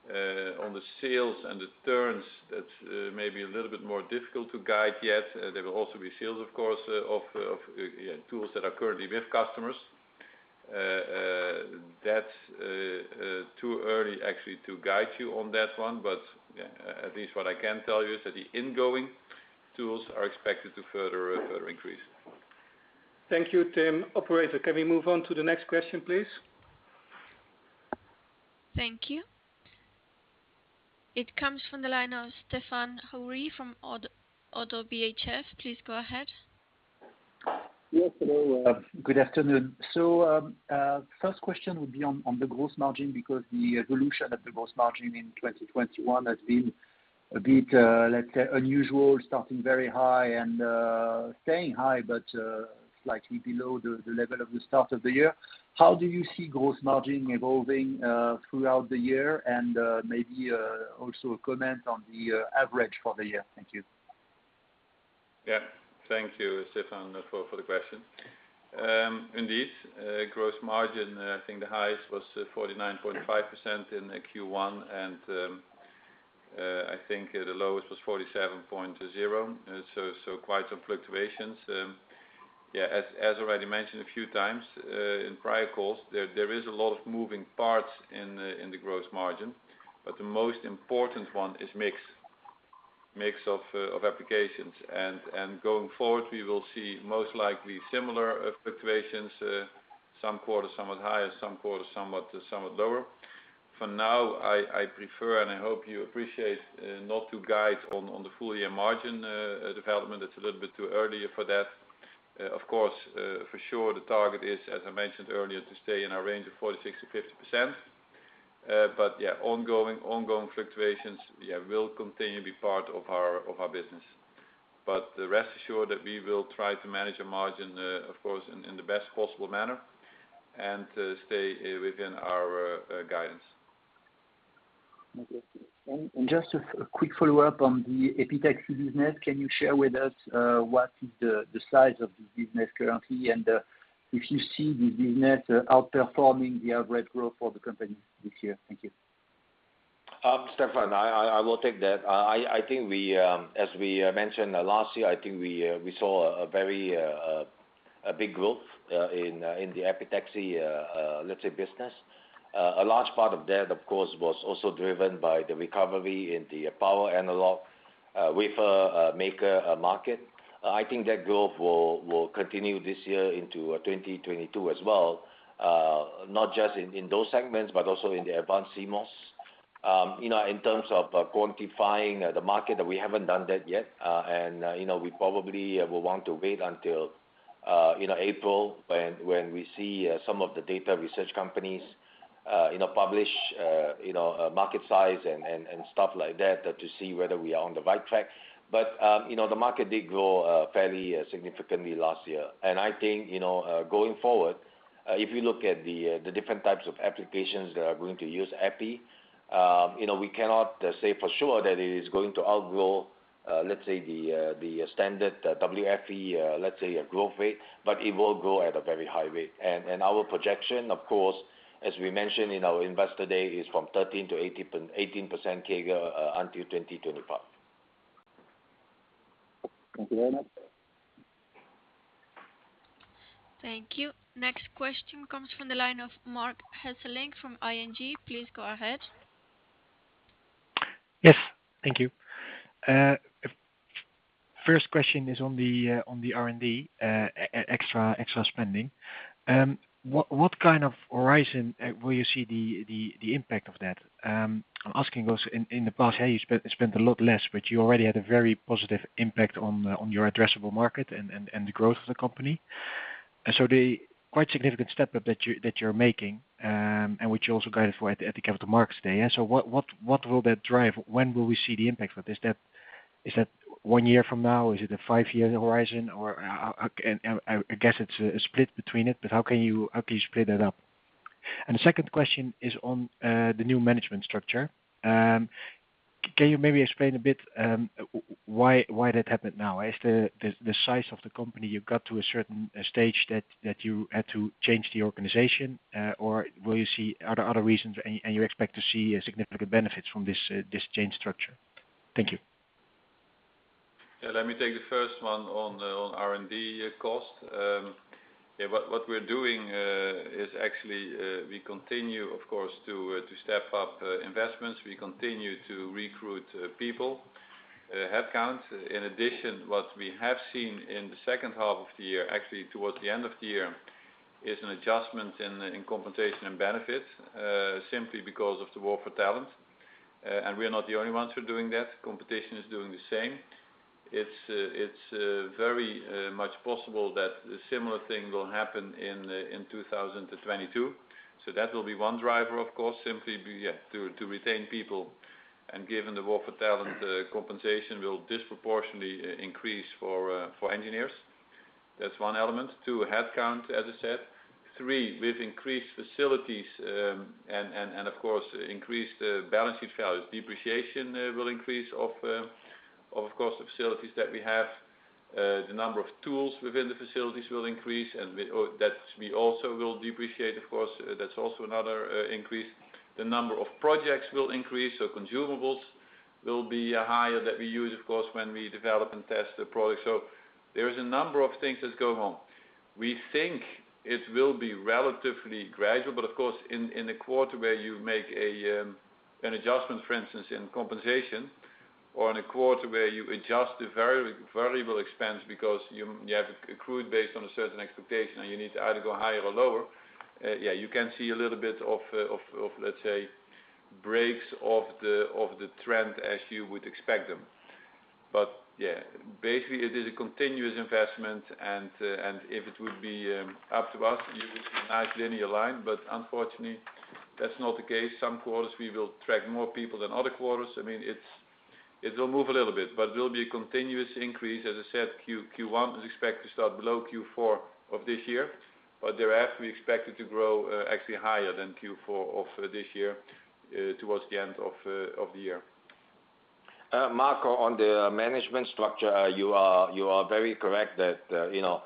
On the sales and the turns, that's maybe a little bit more difficult to guide yet. There will also be sales, of course, of tools that are currently with customers. That's too early actually to guide you on that one. Yeah, at least what I can tell you is that the incoming tools are expected to further increase. Thank you, Tim. Operator, can we move on to the next question, please? Thank you. It comes from the line of Stéphane Houri from Oddo BHF. Please go ahead. Yes, hello. Good afternoon. First question would be on the gross margin, because the evolution of the gross margin in 2021 has been a bit, let's say unusual, starting very high and staying high, but slightly below the level of the start of the year. How do you see gross margin evolving throughout the year? And maybe also a comment on the average for the year. Thank you. Yeah. Thank you, Stéphane, for the question. Indeed, gross margin, I think the highest was 49.5% in Q1. I think the lowest was 47.0%. Quite some fluctuations. As already mentioned a few times in prior calls, there is a lot of moving parts in the gross margin. But the most important one is mix of applications. Going forward, we will see most likely similar fluctuations. Some quarters somewhat higher, some quarters somewhat lower. For now, I prefer, and I hope you appreciate, not to guide on the full-year margin development. It's a little bit too early for that. Of course, for sure the target is, as I mentioned earlier, to stay in our range of 4% to 6% to 50%. Ongoing fluctuations will continue to be part of our business. Rest assured that we will try to manage the margin, of course, in the best possible manner and stay within our guidance. Okay. Just a quick follow-up on the epitaxy business. Can you share with us what is the size of this business currently, and if you see this business outperforming the average growth for the company this year? Thank you. Stéphane, I will take that. I think we, as we mentioned last year, I think we saw a very big growth in the epitaxy, let's say, business. A large part of that, of course, was also driven by the recovery in the power analog wafer maker market. I think that growth will continue this year into 2022 as well, not just in those segments, but also in the advanced CMOS. You know, in terms of quantifying the market, we haven't done that yet. You know, we probably will want to wait until you know, April when we see some of the market research companies you know, publish you know, market size and stuff like that, to see whether we are on the right track. You know, the market did grow fairly significantly last year. I think, you know, going forward, if you look at the different types of applications that are going to use epi, you know, we cannot say for sure that it is going to outgrow, let's say the standard WFE, let's say growth rate, but it will grow at a very high rate. Our projection, of course, as we mentioned in our Investor Day, is from 13%-18% CAGR until 2025. Thank you very much. Thank you. Next question comes from the line of Marc Hesselink from ING. Please go ahead. Yes. Thank you. First question is on the R&D, extra spending. What kind of horizon will you see the impact of that? I'm asking because in the past, yeah, you spent a lot less, but you already had a very positive impact on your addressable market and the growth of the company. The quite significant step up that you're making, and which you also guided for at the Capital Markets Day. Yeah, what will that drive? When will we see the impact of it? Is that one year from now? Is it a five-year horizon? Or, and I guess it's a split between it, but how can you split that up? The second question is on the new management structure. Can you maybe explain a bit why that happened now? Is the size of the company you've got to a certain stage that you had to change the organization? Or will you see other reasons and you expect to see a significant benefits from this change structure? Thank you. Yeah. Let me take the first one on R&D cost. Yeah, what we're doing is actually we continue, of course, to step up investments. We continue to recruit people, headcount. In addition, what we have seen in the second half of the year, actually towards the end of the year, is an adjustment in compensation and benefits, simply because of the war for talent. We are not the only ones who are doing that. Competition is doing the same. It's very much possible that a similar thing will happen in 2022. That will be one driver, of course, simply to retain people, and given the war for talent, compensation will disproportionately increase for engineers. That's one element. Two, headcount, as I said. Three, we've increased facilities, and of course, increased balance sheet values. Depreciation will increase of course, the facilities that we have. The number of tools within the facilities will increase, and that we also will depreciate, of course, that's also another increase. The number of projects will increase, so consumables will be higher that we use, of course, when we develop and test the products. There is a number of things that's going on. We think it will be relatively gradual, but of course, in a quarter where you make an adjustment, for instance, in compensation, or in a quarter where you adjust the variable expense because you have accrued based on a certain expectation, and you need to either go higher or lower. Yeah, you can see a little bit of, let's say, breaks of the trend as you would expect them. Yeah, basically, it is a continuous investment and if it would be up to us, it would be a nice linear line, but unfortunately, that's not the case. Some quarters we will attract more people than other quarters. I mean, it will move a little bit, but it will be a continuous increase. As I said, Q1 is expected to start below Q4 of this year, but thereafter, we expect it to grow, actually higher than Q4 of this year, towards the end of the year. Mark, on the management structure, you are very correct that, you know,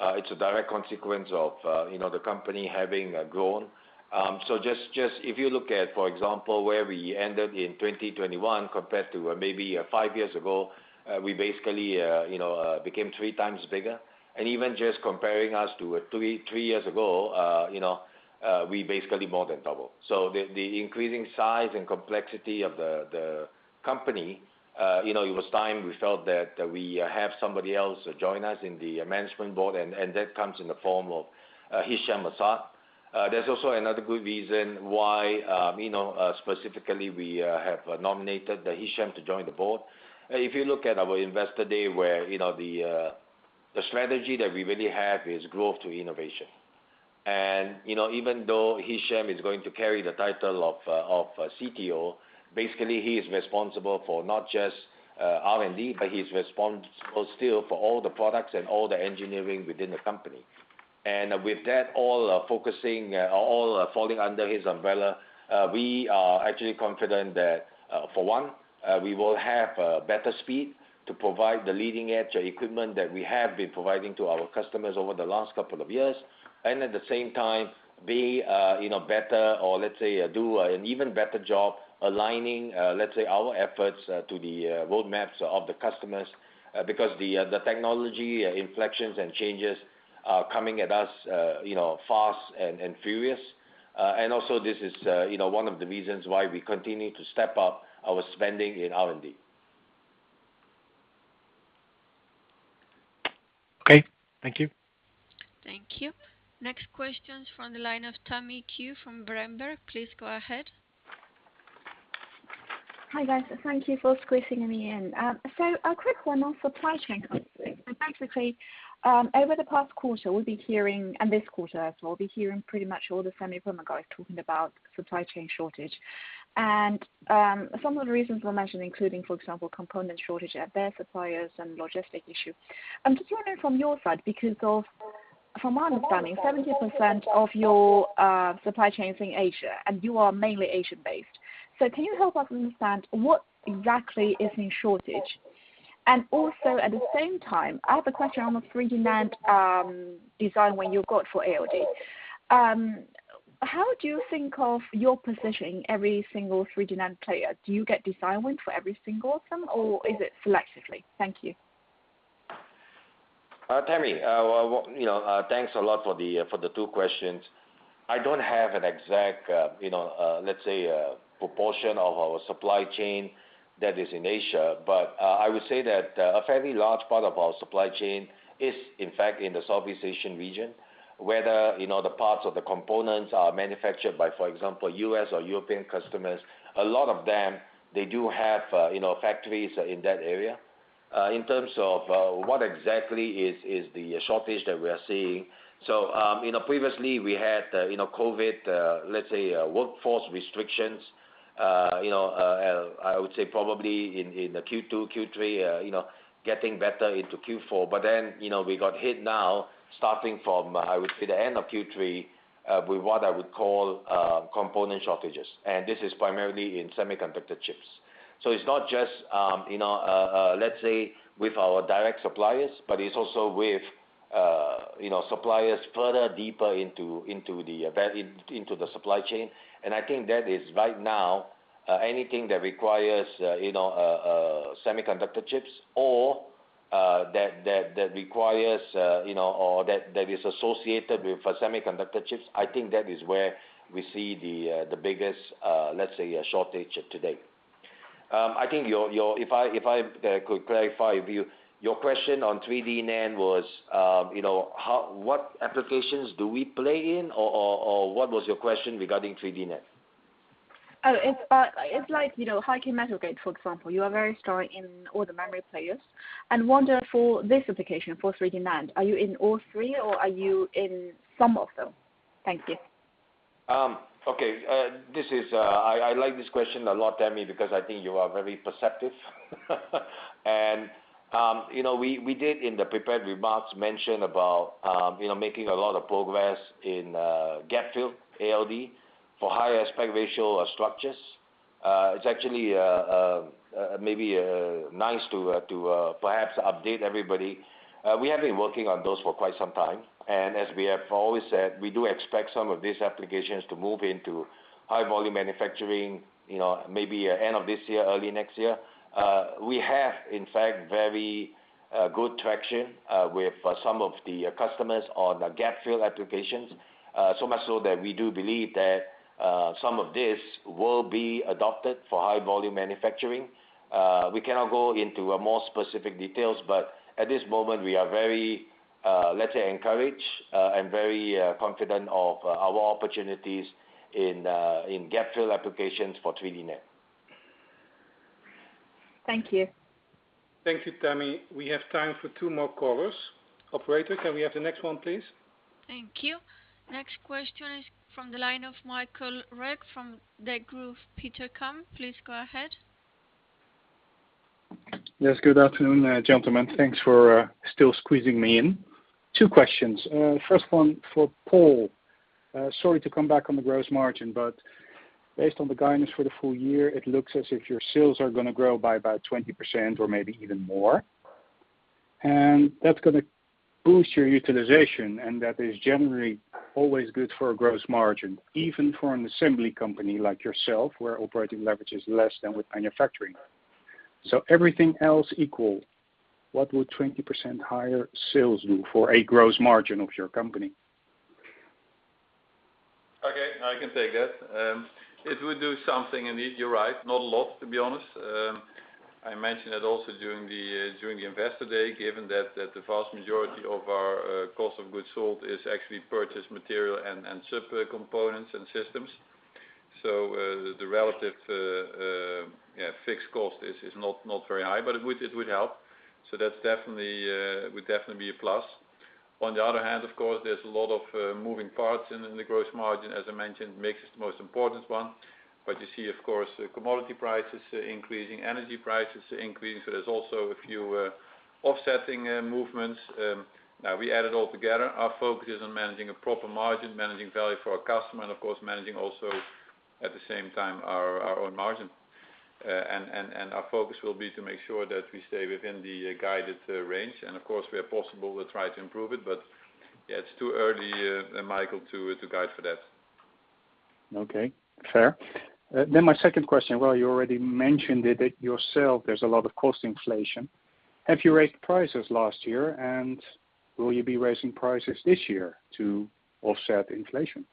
it's a direct consequence of, you know, the company having grown. Just if you look at, for example, where we ended in 2021 compared to, maybe, five years ago, we basically, you know, became 3x bigger. Even just comparing us to, three years ago, you know, we basically more than doubled. The increasing size and complexity of the company, you know, it was time we felt that, we have somebody else join us in the Management Board, and that comes in the form of, Hichem M'Saad. There's also another good reason why, you know, specifically we have nominated Hichem to join the board. If you look at our Investor Day, where, you know, the strategy that we really have is growth through innovation. You know, even though Hichem is going to carry the title of CTO, basically, he is responsible for not just R&D, but he's responsible still for all the products and all the engineering within the company. With that all focusing all falling under his umbrella, we are actually confident that, for one, we will have better speed to provide the leading-edge equipment that we have been providing to our customers over the last couple of years. At the same time, you know, better or let's say do an even better job aligning, let's say our efforts to the roadmaps of the customers, because the technology inflections and changes are coming at us, you know, fast and furious. Also this is, you know, one of the reasons why we continue to step up our spending in R&D. Okay, thank you. Thank you. Next question is from the line of Tammy Qiu from Berenberg. Please go ahead. Hi, guys. Thank you for squeezing me in. A quick one on supply chain costs. Basically, over the past quarter, we'll be hearing, and this quarter as well, we'll be hearing pretty much all the semi equipment guys talking about supply chain shortage. Some of the reasons were mentioned, including, for example, component shortage at their suppliers and logistics issues. Just want to know from your side, from our understanding, 70% of your supply chain is in Asia, and you are mainly Asian-based. Can you help us understand what exactly is in shortage? Also, at the same time, I have a question on the 3D NAND design win you got for ALD. How do you think of your position in every single 3D NAND player? Do you get design win for every single of them, or is it selectively? Thank you. Tammy, you know, thanks a lot for the two questions. I don't have an exact, you know, let's say, proportion of our supply chain that is in Asia. I would say that a fairly large part of our supply chain is, in fact, in the Southeast Asian region. Whether, you know, the parts of the components are manufactured by, for example, U.S. or European customers, a lot of them, they do have, you know, factories in that area. In terms of what exactly is the shortage that we are seeing. You know, previously we had, you know, COVID, let's say, workforce restrictions, you know, I would say probably in Q2, Q3, you know, getting better into Q4. You know, we got hit now starting from, I would say, the end of Q3 with what I would call component shortages, and this is primarily in semiconductor chips. It's not just, you know, let's say with our direct suppliers, but it's also with, you know, suppliers further deeper into the supply chain. I think that is right now anything that requires you know semiconductor chips or that is associated with semiconductor chips. I think that is where we see the biggest, let's say, shortage today. I think if I could clarify with you, your question on 3D NAND was, you know, how, what applications do we play in, or what was your question regarding 3D NAND? It's like, you know, high-k metal gate, for example. You are very strong in all the memory players. I wonder, for this application for 3D NAND, are you in all three or are you in some of them? Thank you. Okay. I like this question a lot, Tammy, because I think you are very perceptive. You know, we did in the prepared remarks mention about you know, making a lot of progress in gap fill ALD for high aspect ratio structures. It's actually maybe nice to perhaps update everybody. We have been working on those for quite some time, and as we have always said, we do expect some of these applications to move into high volume manufacturing, you know, maybe end of this year, early next year. We have, in fact, very good traction with some of the customers on the gap fill applications. So much so that we do believe that some of this will be adopted for high volume manufacturing. We cannot go into more specific details, but at this moment, we are very, let's say, encouraged and very confident of our opportunities in gap fill applications for 3D NAND. Thank you. Thank you, Tammy. We have time for two more callers. Operator, can we have the next one, please? Thank you. Next question is from the line of Michael Roeg from Degroof Petercam. Please go ahead. Yes, good afternoon, gentlemen. Thanks for still squeezing me in. Two questions. First one for Paul. Sorry to come back on the gross margin, but based on the guidance for the full year, it looks as if your sales are gonna grow by about 20% or maybe even more. That's gonna boost your utilization, and that is generally always good for a gross margin, even for an assembly company like yourself, where operating leverage is less than with manufacturing. Everything else equal, what would 20% higher sales do for a gross margin of your company? Okay, I can take that. It would do something indeed, you're right. Not a lot, to be honest. I mentioned that also during the Investor Day, given that the vast majority of our cost of goods sold is actually purchased material and subcomponents and systems. The relative fixed cost is not very high, but it would help. That's definitely a plus. On the other hand, of course, there's a lot of moving parts in the gross margin, as I mentioned, it makes it the most important one. You see, of course, commodity prices increasing, energy prices increasing. There's also a few offsetting movements. Now we add it all together. Our focus is on managing a proper margin, managing value for our customer, and of course, managing also at the same time, our own margin. Our focus will be to make sure that we stay within the guided range. Of course, where possible, we'll try to improve it. Yeah, it's too early, Marc Hesselink, to guide for that. Okay, fair. My second question, well, you already mentioned it yourself, there's a lot of cost inflation. Have you raised prices last year? Will you be raising prices this year to offset inflation?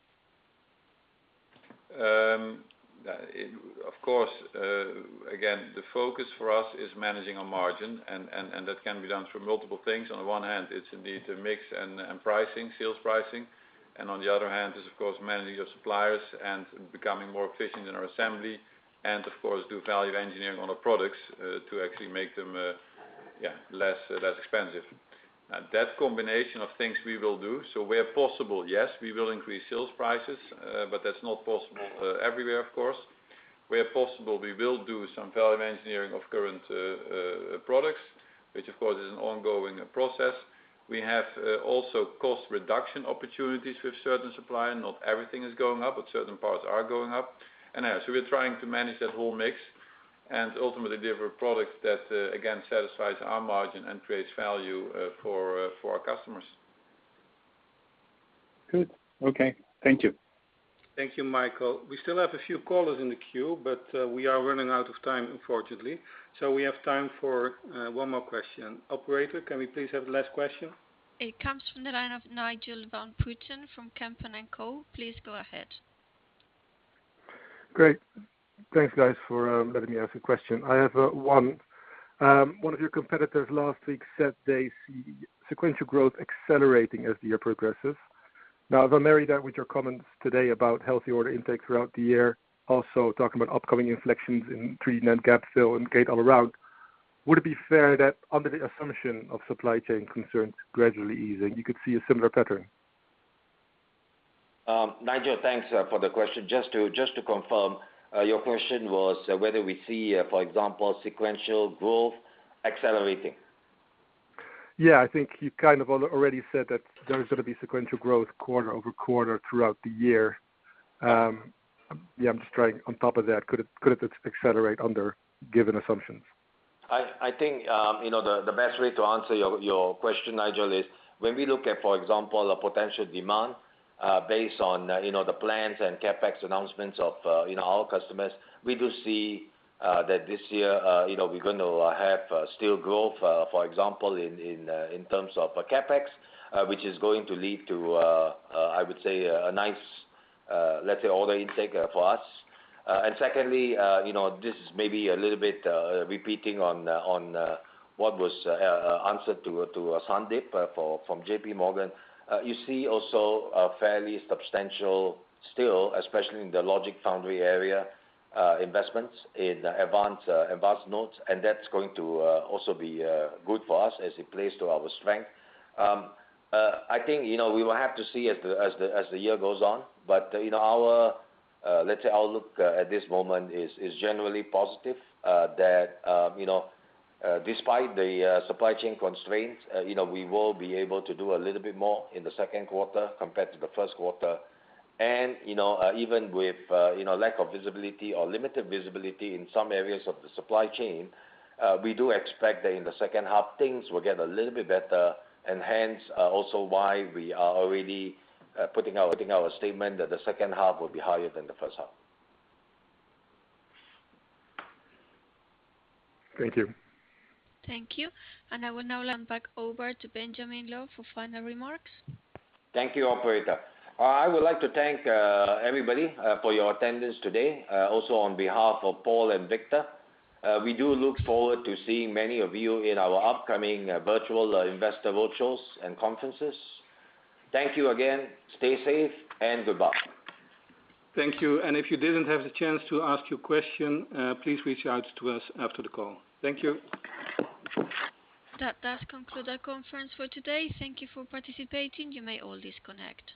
That, of course, again, the focus for us is managing our margin, and that can be done through multiple things. On one hand, it's indeed the mix and pricing, sales pricing. On the other hand is, of course, managing your suppliers and becoming more efficient in our assembly and of course do value engineering on our products to actually make them less expensive. That combination of things we will do. Where possible, yes, we will increase sales prices, but that's not possible everywhere, of course. Where possible, we will do some value engineering of current products, which of course is an ongoing process. We have also cost reduction opportunities with certain suppliers. Not everything is going up, but certain parts are going up. Yeah, we're trying to manage that whole mix and ultimately deliver a product that, again, satisfies our margin and creates value for our customers. Good. Okay. Thank you. Thank you, Michael. We still have a few callers in the queue, but, we are running out of time, unfortunately. We have time for one more question. Operator, can we please have the last question? It comes from the line of Nigel van Putten from Kempen & Co. Please go ahead. Great. Thanks, guys, for letting me ask a question. I have one. One of your competitors last week said they see sequential growth accelerating as the year progresses. Now, if I marry that with your comments today about healthy order intake throughout the year, also talking about upcoming inflections in 3D NAND gap fill and gate-all-around, would it be fair that under the assumption of supply chain concerns gradually easing, you could see a similar pattern? Nigel, thanks for the question. Just to confirm, your question was whether we see, for example, sequential growth accelerating. Yeah. I think you kind of already said that there is gonna be sequential growth quarter-over-quarter throughout the year. Yeah, I'm just trying. On top of that, could it accelerate under given assumptions? I think you know the best way to answer your question, Nigel, is when we look at, for example, a potential demand based on you know the plans and CapEx announcements of you know our customers. We do see that this year you know we're going to have still growth, for example, in terms of CapEx, which is going to lead to I would say a nice let's say order intake for us. Secondly, you know, this is maybe a little bit repeating on what was an answer to Sandeep from JP Morgan. You see also a fairly substantial still, especially in the Logic/Foundry area, investments in advanced nodes, and that's going to also be good for us as it plays to our strength. I think, you know, we will have to see as the year goes on. You know, let's say our outlook at this moment is generally positive that, you know, despite the supply chain constraints, you know, we will be able to do a little bit more in the Q2 compared to the Q1. Even with, you know, lack of visibility or limited visibility in some areas of the supply chain, we do expect that in the second half things will get a little bit better and hence also why we are already putting out in our statement that the second half will be higher than the first half. Thank you. Thank you. I will now hand back over to Benjamin Loh for final remarks. Thank you, operator. I would like to thank everybody for your attendance today, also on behalf of Paul and Victor. We do look forward to seeing many of you in our upcoming virtual investor roadshows and conferences. Thank you again. Stay safe, and goodbye. Thank you. If you didn't have the chance to ask your question, please reach out to us after the call. Thank you. That does conclude our conference for today. Thank you for participating. You may all disconnect.